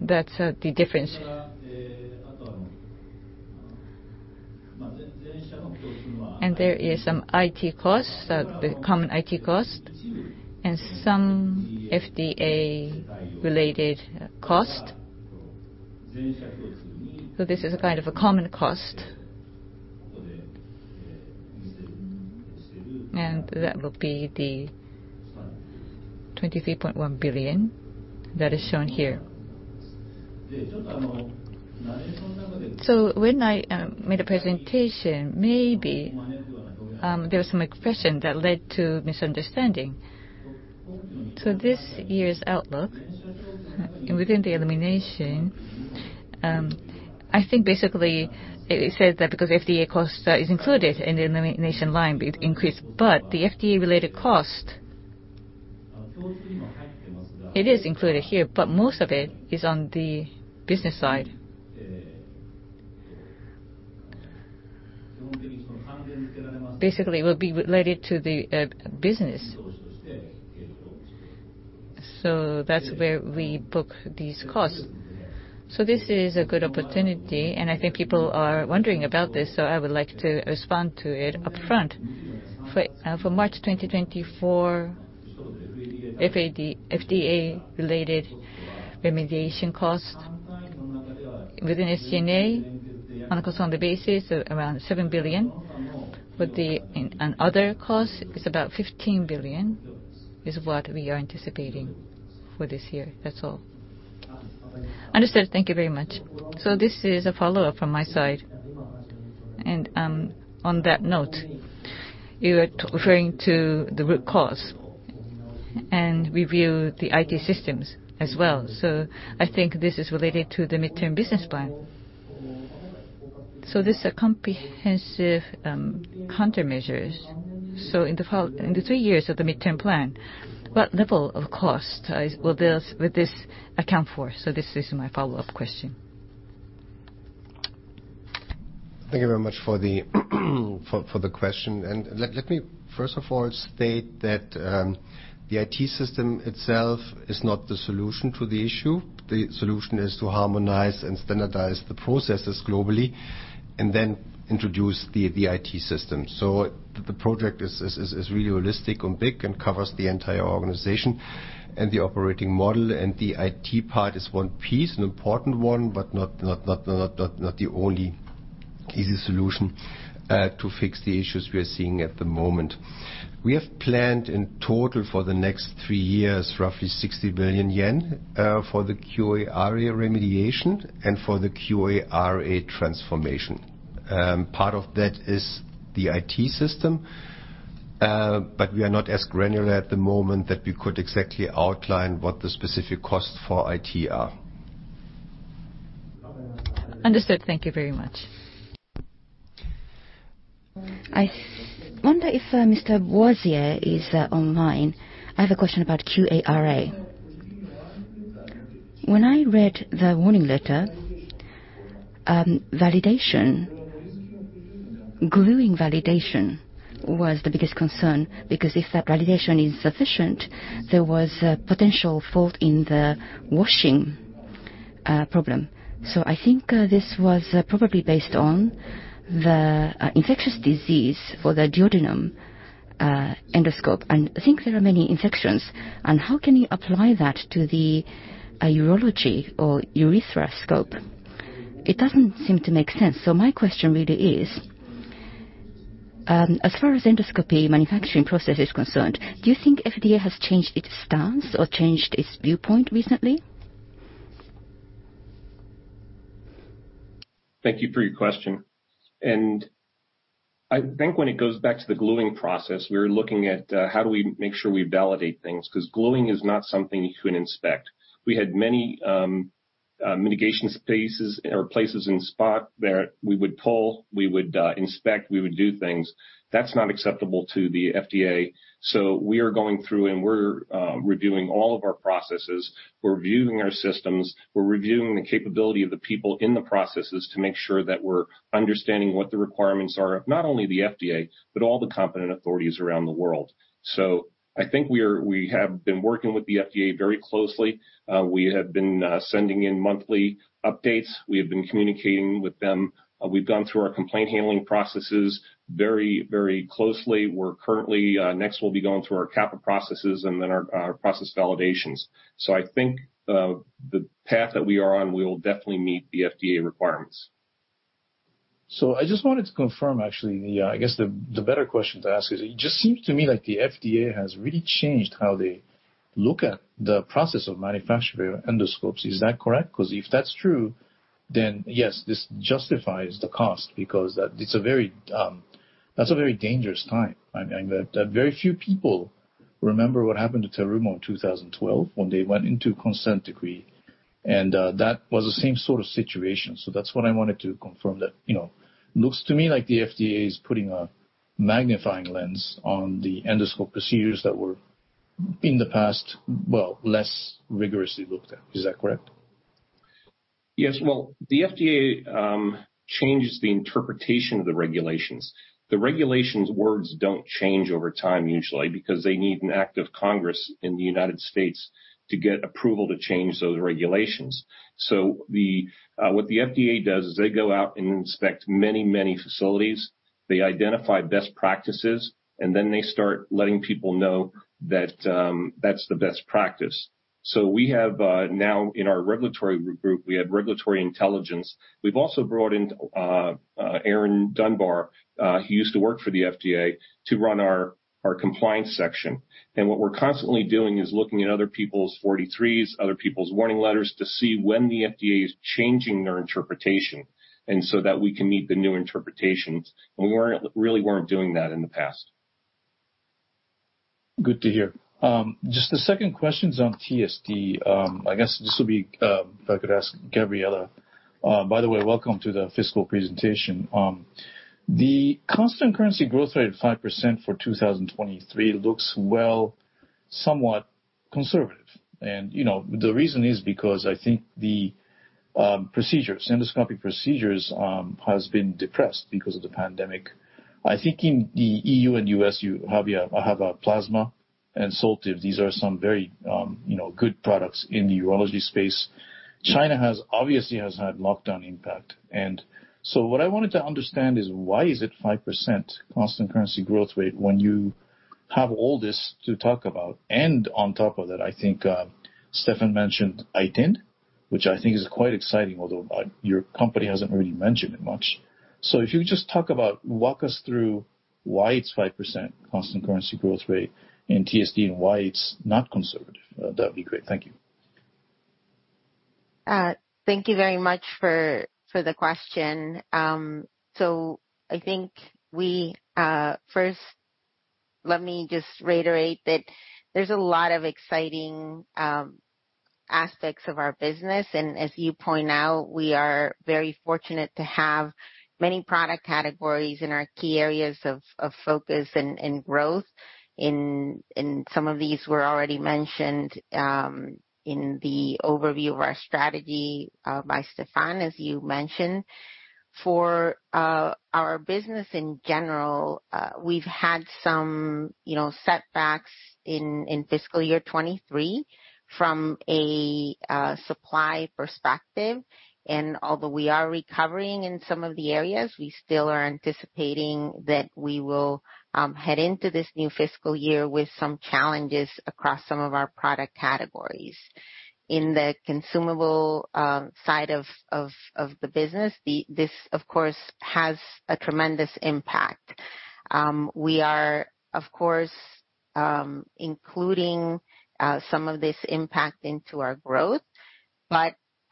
A: That's the difference. There is some IT costs, the common IT cost and some FDA-related cost. This is a kind of a common cost. That will be the 23.1 billion that is shown here. When I made a presentation, maybe, there was some expression that led to misunderstanding. This year's outlook, and within the elimination, I think basically it says that because FDA cost is included in the elimination line, but it increased. The FDA-related cost, it is included here, but most of it is on the business side. Basically, it will be related to the business. That's where we book these costs. This is a good opportunity, and I think people are wondering about this, I would like to respond to it upfront. For March 2024, FDA-related remediation cost within SG&A on a constant basis around 7 billion, and other costs is about 15 billion, is what we are anticipating for this year. That's all.
D: Understood. Thank you very much. This is a follow-up from my side. On that note, you are referring to the root cause and review the IT systems as well. I think this is related to the midterm business plan. This comprehensive countermeasures. In the three years of the midterm plan, what level of cost will this account for? This is my follow-up question.
B: Thank you very much for the question. Let me first of all state that the IT system itself is not the solution to the issue. The solution is to harmonize and standardize the processes globally and then introduce the IT system. The project is really holistic and big and covers the entire organization and the operating model. The IT part is one piece, an important one, but not the only easy solution to fix the issues we are seeing at the moment. We have planned in total for the next three years, roughly 60 billion yen for the QA area remediation and for the QARA transformation. Part of that is the IT system, but we are not as granular at the moment that we could exactly outline what the specific costs for IT are.
D: Understood. Thank you very much.
E: I wonder if Mr. Boisier is online. I have a question about QARA. When I read the warning letter, validation, gluing validation was the biggest concern, because if that validation is sufficient, there was a potential fault in the washing problem. I think this was probably based on the infectious disease for the duodenum endoscope, and I think there are many infections. How can you apply that to the urology or urethral scope? It doesn't seem to make sense. My question really is As far as endoscopy manufacturing process is concerned, do you think FDA has changed its stance or changed its viewpoint recently?
F: Thank you for your question. I think when it goes back to the gluing process, we were looking at, how do we make sure we validate things? 'Cause gluing is not something you can inspect. We had many, mitigation spaces or places in spot where we would pull, we would, inspect, we would do things. That's not acceptable to the FDA. We are going through and we're reviewing all of our processes. We're reviewing our systems. We're reviewing the capability of the people in the processes to make sure that we're understanding what the requirements are of not only the FDA, but all the competent authorities around the world. I think we have been working with the FDA very closely. We have been sending in monthly updates. We have been communicating with them. We've gone through our complaint handling processes very, very closely. We're currently. Next, we'll be going through our CAPA processes and then our process validations. I think, the path that we are on, we will definitely meet the FDA requirements.
G: I just wanted to confirm, actually, I guess the better question to ask is, it just seems to me like the FDA has really changed how they look at the process of manufacturing endoscopes. Is that correct? If that's true, then yes, this justifies the cost because that's a very dangerous time. I mean, very few people remember what happened to Terumo in 2012 when they went into consent decree, and that was the same sort of situation. That's what I wanted to confirm that, you know. Looks to me like the FDA is putting a magnifying lens on the endoscope procedures that were, in the past, well, less rigorously looked at. Is that correct?
F: Yes. Well, the FDA changes the interpretation of the regulations. The regulations words don't change over time usually because they need an act of Congress in the United States to get approval to change those regulations. What the FDA does is they go out and inspect many, many facilities. They identify best practices, and then they start letting people know that that's the best practice. We have now in our regulatory group, we have regulatory intelligence. We've also brought in Aaron Dunbar, he used to work for the FDA, to run our compliance section. What we're constantly doing is looking at other people's 483s, other people's warning letters to see when the FDA is changing their interpretation and so that we can meet the new interpretations. We really weren't doing that in the past.
G: Good to hear. Just the second question's on TSD. I guess this will be, if I could ask Gabriela. By the way, welcome to the fiscal presentation. The constant currency growth rate of 5% for 2023 looks well, somewhat conservative. You know, the reason is because I think the procedures, endoscopic procedures, has been depressed because of the pandemic. I think in the EU and U.S., you have a plasma and Soltive. These are some very, you know, good products in the urology space. China has obviously has had lockdown impact. So what I wanted to understand is why is it 5% constant currency growth rate when you have all this to talk about? On top of that, I think, Stefan mentioned iTind, which I think is quite exciting, although, your company hasn't really mentioned it much. If you just walk us through why it's 5% constant currency growth rate in TSD and why it's not conservative. That would be great. Thank you.
H: Thank you very much for the question. First, let me just reiterate that there's a lot of exciting aspects of our business, and as you point out, we are very fortunate to have many product categories in our key areas of focus and growth and some of these were already mentioned in the overview of our strategy by Stefan, as you mentioned. For our business in general, we've had some, you know, setbacks in fiscal year 2023 from a supply perspective. Although we are recovering in some of the areas, we still are anticipating that we will head into this new fiscal year with some challenges across some of our product categories. In the consumable side of the business, this, of course, has a tremendous impact. We are, of course, including some of this impact into our growth.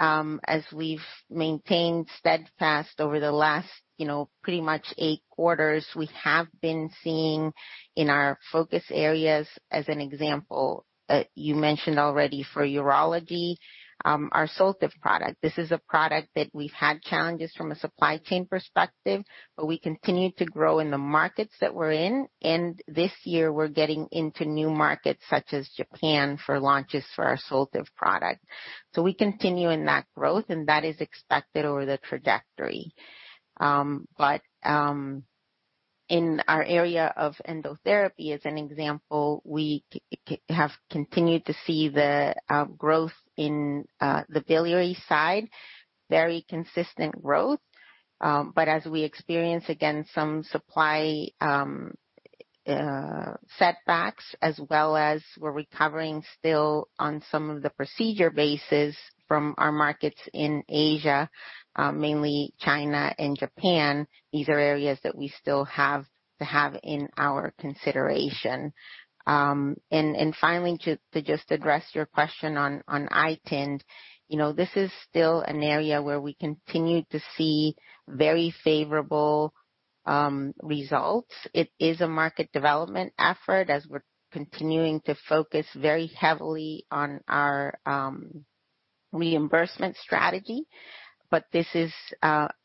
H: As we've maintained steadfast over the last, you know, pretty much eight quarters, we have been seeing in our focus areas, as an example, you mentioned already for urology, our Soltive product. This is a product that we've had challenges from a supply chain perspective, but we continue to grow in the markets that we're in. This year we're getting into new markets such as Japan for launches for our Soltive product. We continue in that growth, and that is expected over the trajectory. In our area of EndoTherapy, as an example, we have continued to see the growth in the biliary side, very consistent growth. As we experience again, some supply setbacks as well as we're recovering still on some of the procedure bases from our markets in Asia, mainly China and Japan. These are areas that we still have to have in our consideration. Finally, to just address your question on iTind, you know, this is still an area where we continue to see very favorable results. It is a market development effort as we're continuing to focus very heavily on our reimbursement strategy. This is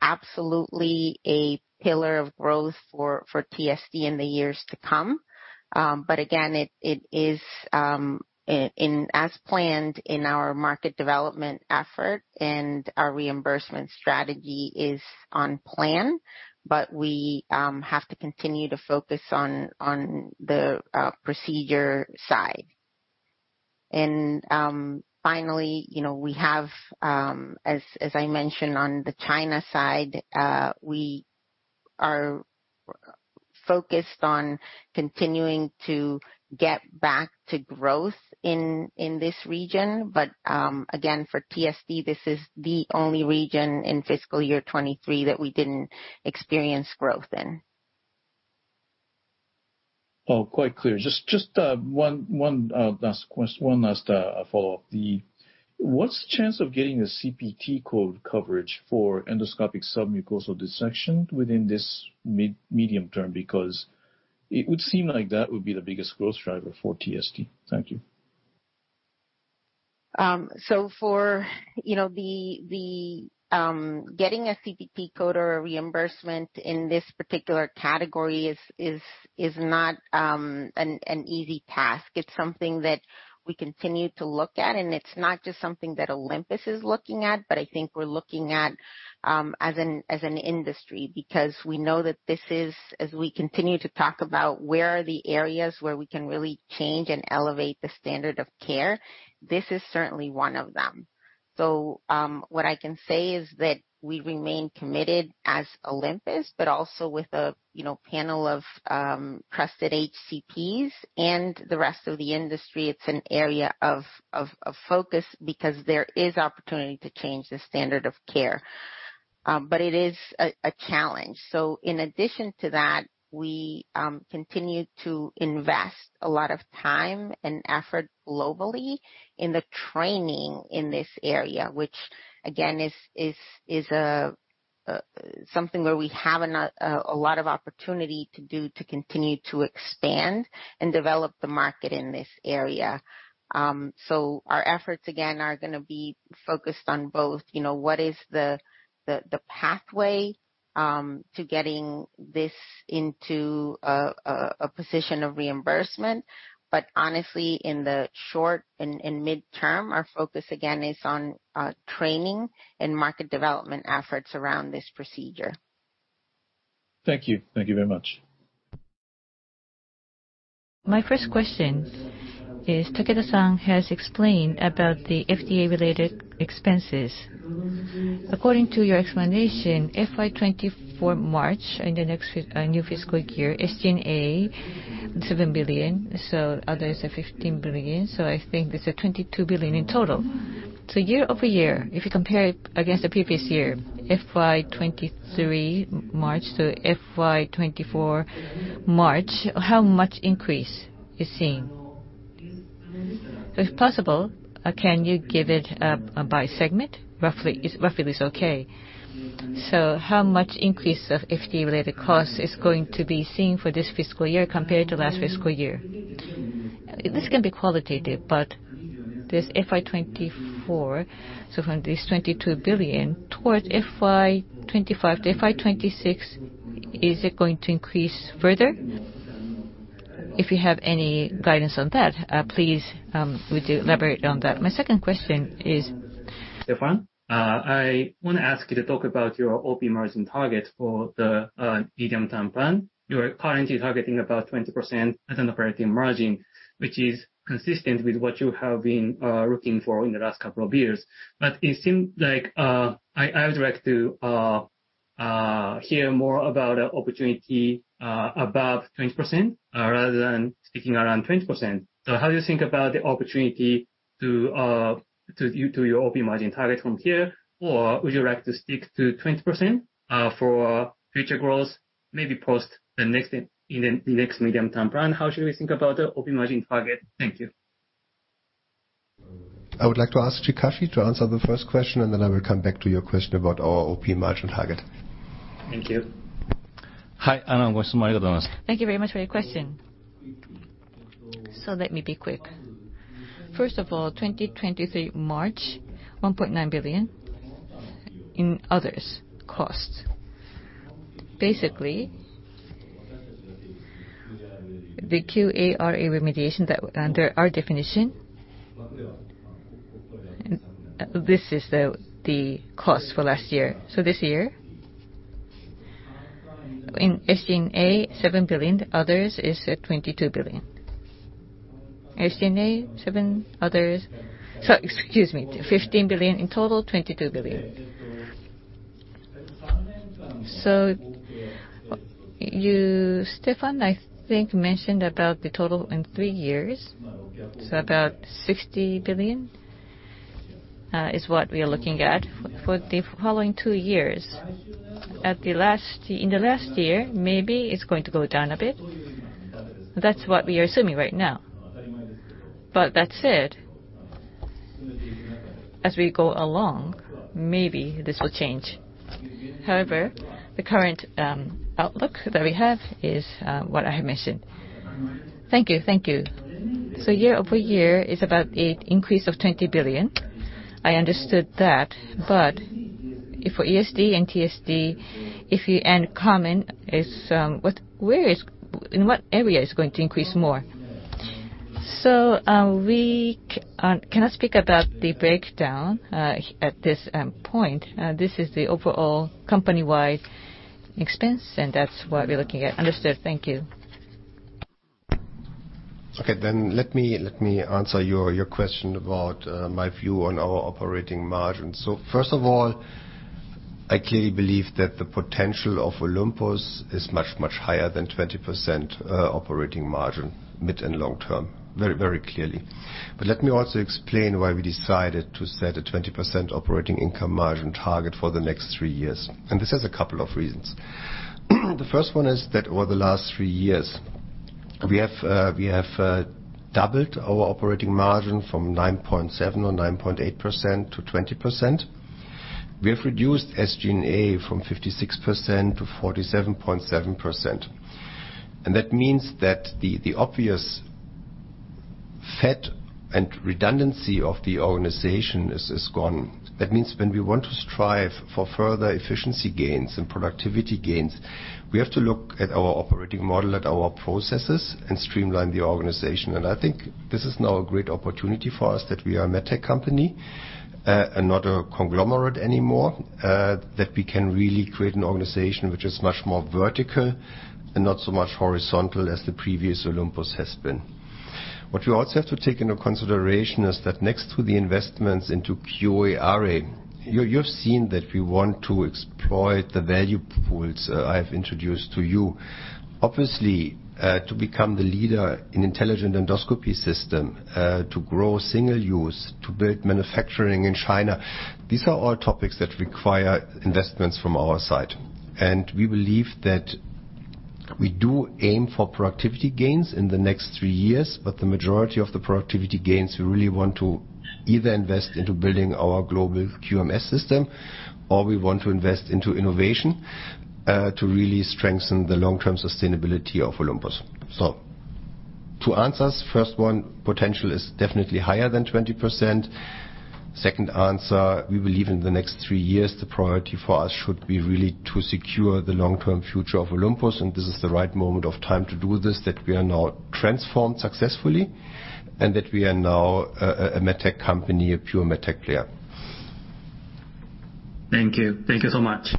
H: absolutely a pillar of growth for TSD in the years to come. Again, it is as planned in our market development effort and our reimbursement strategy is on plan. We have to continue to focus on the procedure side. Finally, you know, we have, as I mentioned on the China side, we are focused on continuing to get back to growth in this region. Again, for TSD, this is the only region in fiscal year 2023 that we didn't experience growth in.
G: Oh, quite clear. Just one last follow-up. What's the chance of getting a CPT code coverage for endoscopic submucosal dissection within this mid-medium term? It would seem like that would be the biggest growth driver for TSD. Thank you.
H: For, you know, the, getting a CPT code or a reimbursement in this particular category is not an easy task. It's something that we continue to look at, and it's not just something that Olympus is looking at, but I think we're looking at as an industry. We know that this is, as we continue to talk about where are the areas where we can really change and elevate the standard of care, this is certainly one of them. What I can say is that we remain committed as Olympus, but also with a, you know, panel of trusted HCPs and the rest of the industry. It's an area of focus because there is opportunity to change the standard of care. It is a challenge. In addition to that, we continue to invest a lot of time and effort globally in the training in this area, which again is something where we have a lot of opportunity to do to continue to expand and develop the market in this area. Our efforts again are gonna be focused on both, you know, what is the pathway to getting this into a position of reimbursement. Honestly, in the short and midterm, our focus again is on training and market development efforts around this procedure.
G: Thank you. Thank you very much.
I: My first question is Takeda-san has explained about the FDA-related expenses. According to your explanation, FY 2024 March in the next new fiscal year, 7 billion. others are 15 billion. I think it's 22 billion in total. year-over-year, if you compare it against the previous year, FY 2023 March to FY 2024 March, how much increase you're seeing? If possible, can you give it by segment? Roughly is okay. How much increase of FDA-related costs is going to be seen for this fiscal year compared to last fiscal year? This can be qualitative, but this FY 2024, from this 22 billion towards FY 2025 to FY 2026, is it going to increase further? If you have any guidance on that, please, would you elaborate on that? My second question is. Stefan, I wanna ask you to talk about your OP margin target for the medium-term plan. You are currently targeting about 20% as an operating margin, which is consistent with what you have been looking for in the last couple of years. It seems like, I would like to hear more about a opportunity above 20% rather than sticking around 20%. How do you think about the opportunity to your OP margin target from here? Would you like to stick to 20% for future growth, maybe post the next in the next medium-term plan? How should we think about the OP margin target? Thank you.
B: I would like to ask Chikashi to answer the first question, and then I will come back to your question about our OP margin target.
A: Thank you. Thank you very much for your question. Let me be quick. First of all, 2023 March, 1.9 billion in others costs. Basically, the QARA remediation that under our definition, this is the cost for last year. This year, 7 billion. Others is, 22 billion. 7. Excuse me, 15 billion. In total, 22 billion. You, Stefan, I think mentioned about the total in three years. About 60 billion is what we are looking at for the following two years. In the last year, maybe it's going to go down a bit. That's what we are assuming right now. That said, as we go along, maybe this will change. However, the current outlook that we have is what I mentioned.
I: Thank you. Thank you. year-over-year is about an increase of 20 billion. I understood that, for ESD and TSD, if you add common, is what area it's going to increase more?
A: We cannot speak about the breakdown at this point. This is the overall company-wide expense. That's what we're looking at.
I: Understood. Thank you.
B: Let me answer your question about my view on our operating margin. First of all, I clearly believe that the potential of Olympus is much higher than 20% operating margin mid and long term, very clearly. Let me also explain why we decided to set a 20% operating income margin target for the next three years, and this has a couple of reasons. The first one is that over the last three years, we have doubled our operating margin from 9.7% or 9.8%-20%. We have reduced SG&A from 56%-47.7%, and that means that the obvious fat and redundancy of the organization is gone. That means when we want to strive for further efficiency gains and productivity gains, we have to look at our operating model, at our processes, and streamline the organization. I think this is now a great opportunity for us that we are a MedTech company, and not a conglomerate anymore. That we can really create an organization which is much more vertical and not so much horizontal as the previous Olympus has been. What you also have to take into consideration is that next to the investments into QARA, you've seen that we want to exploit the value pools I have introduced to you. Obviously, to become the leader in intelligent endoscopy system, to grow single use, to build manufacturing in China. These are all topics that require investments from our side. We believe that we do aim for productivity gains in the next three years, but the majority of the productivity gains, we really want to either invest into building our global QMS system, or we want to invest into innovation to really strengthen the long-term sustainability of Olympus. To answer, first one, potential is definitely higher than 20%. Second answer, we believe in the next three years, the priority for us should be really to secure the long-term future of Olympus. This is the right moment of time to do this, that we are now transformed successfully, and that we are now a MedTech company, a pure medtech player.
I: Thank you. Thank you so much.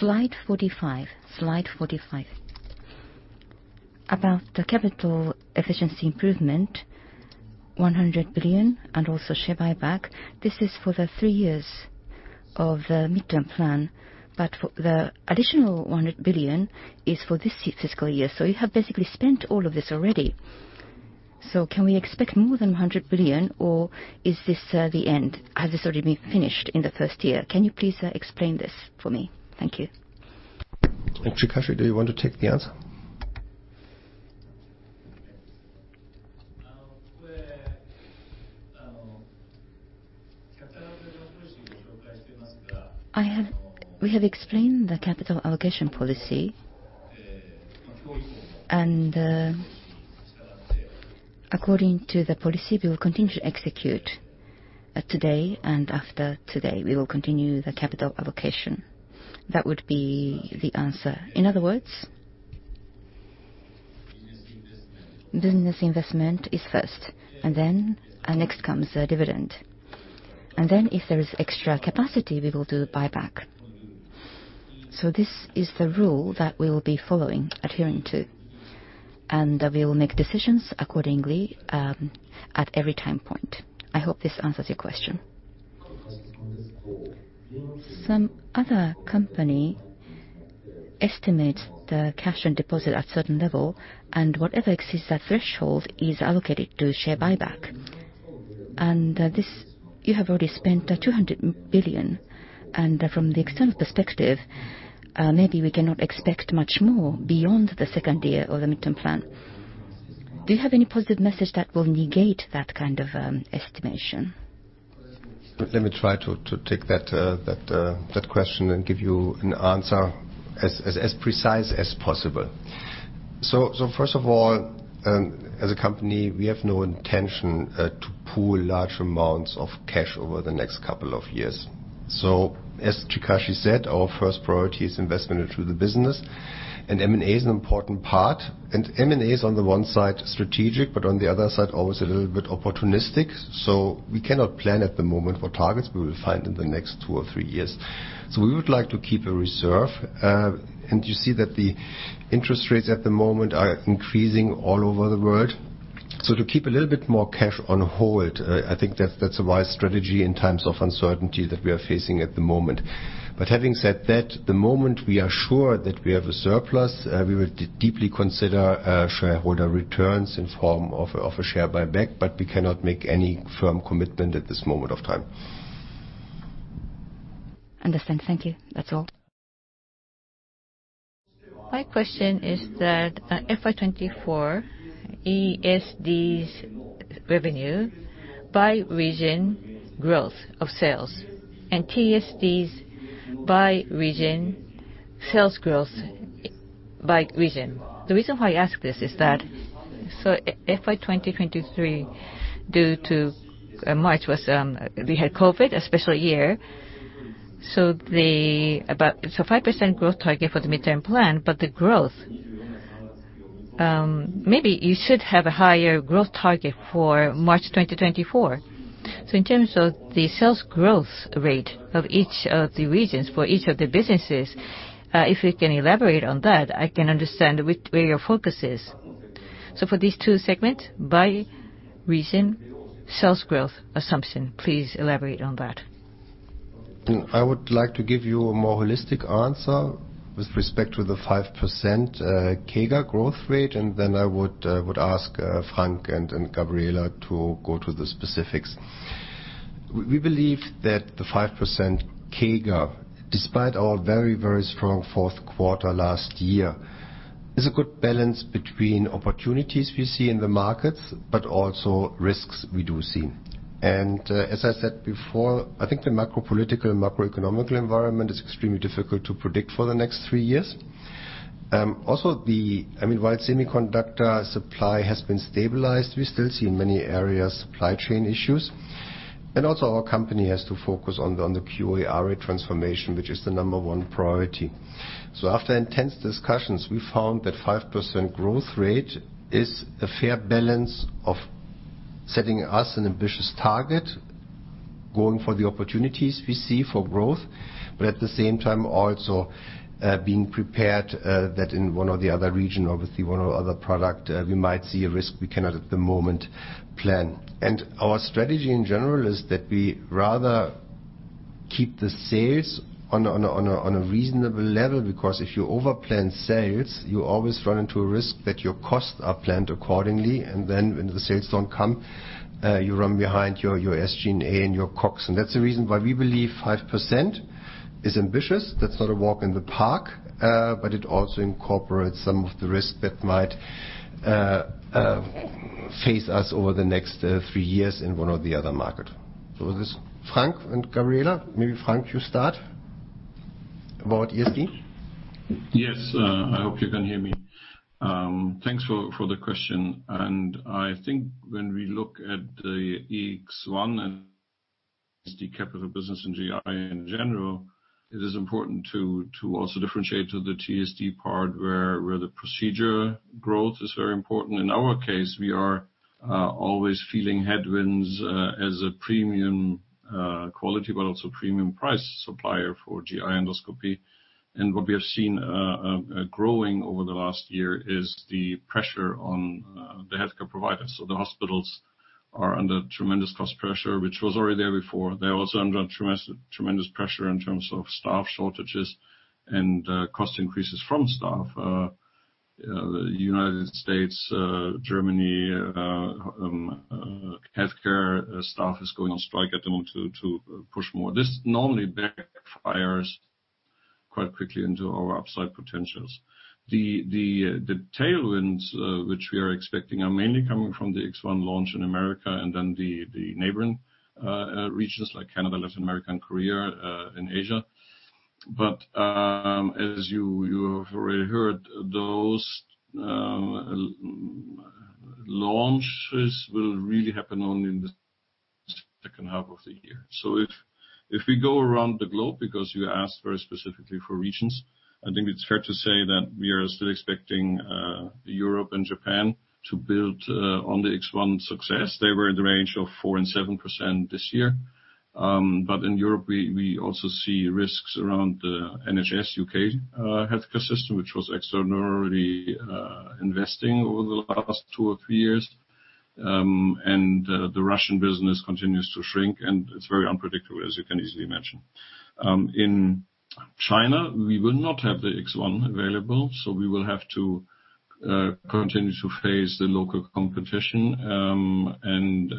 J: Slide 45. About the capital efficiency improvement, 100 billion and also share buyback. This is for the 3 years of the midterm plan, for the additional 100 billion is for this fiscal year. You have basically spent all of this already. Can we expect more than 100 billion or is this the end? Has this already been finished in the 1st year? Can you please explain this for me? Thank you.
B: Takashi, do you want to take the answer?
A: We have explained the capital allocation policy. According to the policy, we will continue to execute today and after today. We will continue the capital allocation. That would be the answer. In other words, business investment is first, next comes the dividend. If there is extra capacity, we will do the buyback. This is the rule that we will be following, adhering to, and we will make decisions accordingly at every time point. I hope this answers your question. Some other company estimates the cash and deposit at certain level, and whatever exceeds that threshold is allocated to share buyback. This, you have already spent 200 billion. From the external perspective, maybe we cannot expect much more beyond the second year of the midterm plan.
J: Do you have any positive message that will negate that kind of estimation?
B: Let me try to take that question and give you an answer as precise as possible. First of all, as a company, we have no intention to pool large amounts of cash over the next couple of years. As Takashi said, our first priority is investment into the business, M&A is an important part, M&A is on the one side strategic, but on the other side, always a little bit opportunistic. We cannot plan at the moment for targets we will find in the next two or three years. We would like to keep a reserve. You see that the interest rates at the moment are increasing all over the world. To keep a little bit more cash on hold, I think that's a wise strategy in times of uncertainty that we are facing at the moment. Having said that, the moment we are sure that we have a surplus, we will deeply consider shareholder returns in form of a share buyback, but we cannot make any firm commitment at this moment of time.
J: Understand. Thank you.
K: My question is that, FY 2024 ESD's revenue by region growth of sales and TSD's by region, sales growth by region. The reason why I ask this is that, FY 2023, due to March was, we had COVID, a special year, About 5% growth target for the midterm plan, but the growth, maybe you should have a higher growth target for March 2024. In terms of the sales growth rate of each of the regions for each of the businesses, if you can elaborate on that, I can understand which way your focus is. For these two segments, by region, sales growth assumption, please elaborate on that.
B: I would like to give you a more holistic answer with respect to the 5% CAGR growth rate, and then I would ask Frank and Gabriela to go to the specifics. We believe that the 5% CAGR, despite our very, very strong fourth quarter last year, is a good balance between opportunities we see in the markets, but also risks we do see. As I said before, I think the macro political, macro economical environment is extremely difficult to predict for the next three years. I mean, while semiconductor supply has been stabilized, we still see in many areas supply chain issues. Also our company has to focus on the QARA transformation, which is the number one priority. After intense discussions, we found that 5% growth rate is a fair balance of setting us an ambitious target, going for the opportunities we see for growth. At the same time, also, being prepared, that in one or the other region, obviously one or other product, we might see a risk we cannot at the moment plan. Our strategy in general is that we rather keep the sales on a, on a, on a reasonable level, because if you over-plan sales, you always run into a risk that your costs are planned accordingly, and then when the sales don't come, you run behind your SG&A and your COGS. That's the reason why we believe 5% is ambitious. That's not a walk in the park, but it also incorporates some of the risks that might face us over the next 3 years in one or the other market. With this, Frank and Gabriela, maybe Frank, you start about ESD.
L: Yes. I hope you can hear me. Thanks for the question. I think when we look at the X1 and the capital business in GI, in general, it is important to also differentiate to the TSD part where the procedure growth is very important. In our case, we are always feeling headwinds as a premium quality, but also premium price supplier for GI endoscopy. What we have seen growing over the last year is the pressure on the healthcare providers. The hospitals are under tremendous cost pressure, which was already there before. They're also under tremendous pressure in terms of staff shortages and cost increases from staff. You know, the United States, Germany, healthcare staff is going on strike at the moment to push more. This normally backfires quite quickly into our upside potentials. The tailwinds, which we are expecting are mainly coming from the EVIS X1 launch in America and then the neighboring regions like Canada, Latin America, Korea, and Asia. As you have already heard, those launches will really happen only in the second half of the year. If we go around the globe, because you asked very specifically for regions, I think it's fair to say that we are still expecting Europe and Japan to build on the EVIS X1 success. They were in the range of 4% and 7% this year. In Europe, we also see risks around the NHS UK healthcare system, which was extraordinarily investing over the last two or three years. The Russian business continues to shrink, and it's very unpredictable, as you can easily imagine. In China, we will not have the X1 available, so we will have to continue to face the local competition.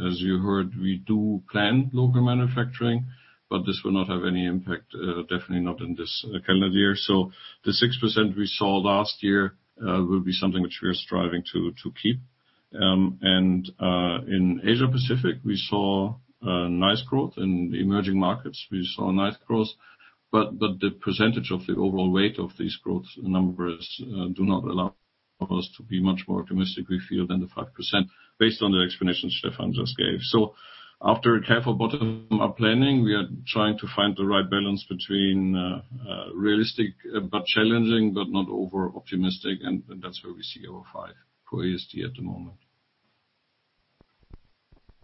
L: As you heard, we do plan local manufacturing, but this will not have any impact, definitely not in this calendar year. The 6% we saw last year will be something which we are striving to keep. In Asia Pacific, we saw nice growth. In the emerging markets, we saw nice growth, but the percentage of the overall weight of these growth numbers do not allow us to be much more optimistic, we feel, than the 5% based on the explanation Stefan just gave. After a careful bottom-up planning, we are trying to find the right balance between realistic but challenging, but not over-optimistic, and that's where we see our 5 for ESD at the moment.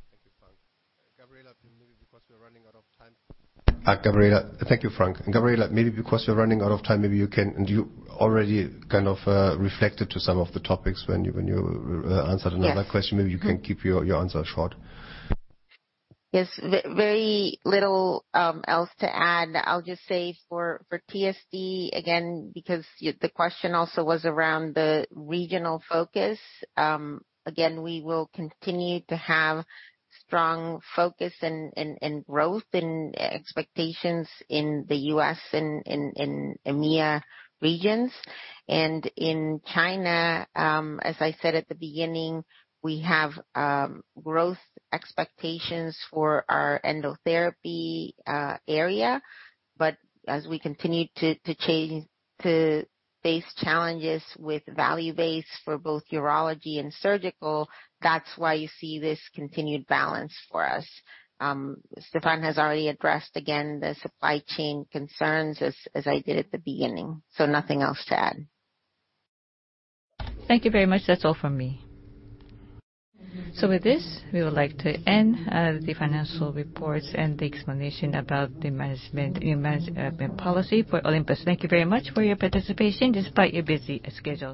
B: Thank you, Frank. Gabriela, maybe because we're running out of time. Gabriela. Thank you, Frank. Gabriela, maybe because we're running out of time, You already kind of reflected to some of the topics when you answered another question.
H: Yes. Mm-hmm.
B: Maybe you can keep your answer short.
H: Yes. Very little else to add. I'll just say for TSD, again, because the question also was around the regional focus. Again, we will continue to have strong focus and growth in expectations in the US and in EMEA regions. In China, as I said at the beginning, we have growth expectations for our EndoTherapy area. As we continue to face challenges with value base for both urology and surgical, that's why you see this continued balance for us. Stefan has already addressed again the supply chain concerns as I did at the beginning. Nothing else to add. Thank you very much. That's all from me.
C: With this, we would like to end the financial reports and the explanation about the management, new management policy for Olympus. Thank you very much for your participation despite your busy schedule.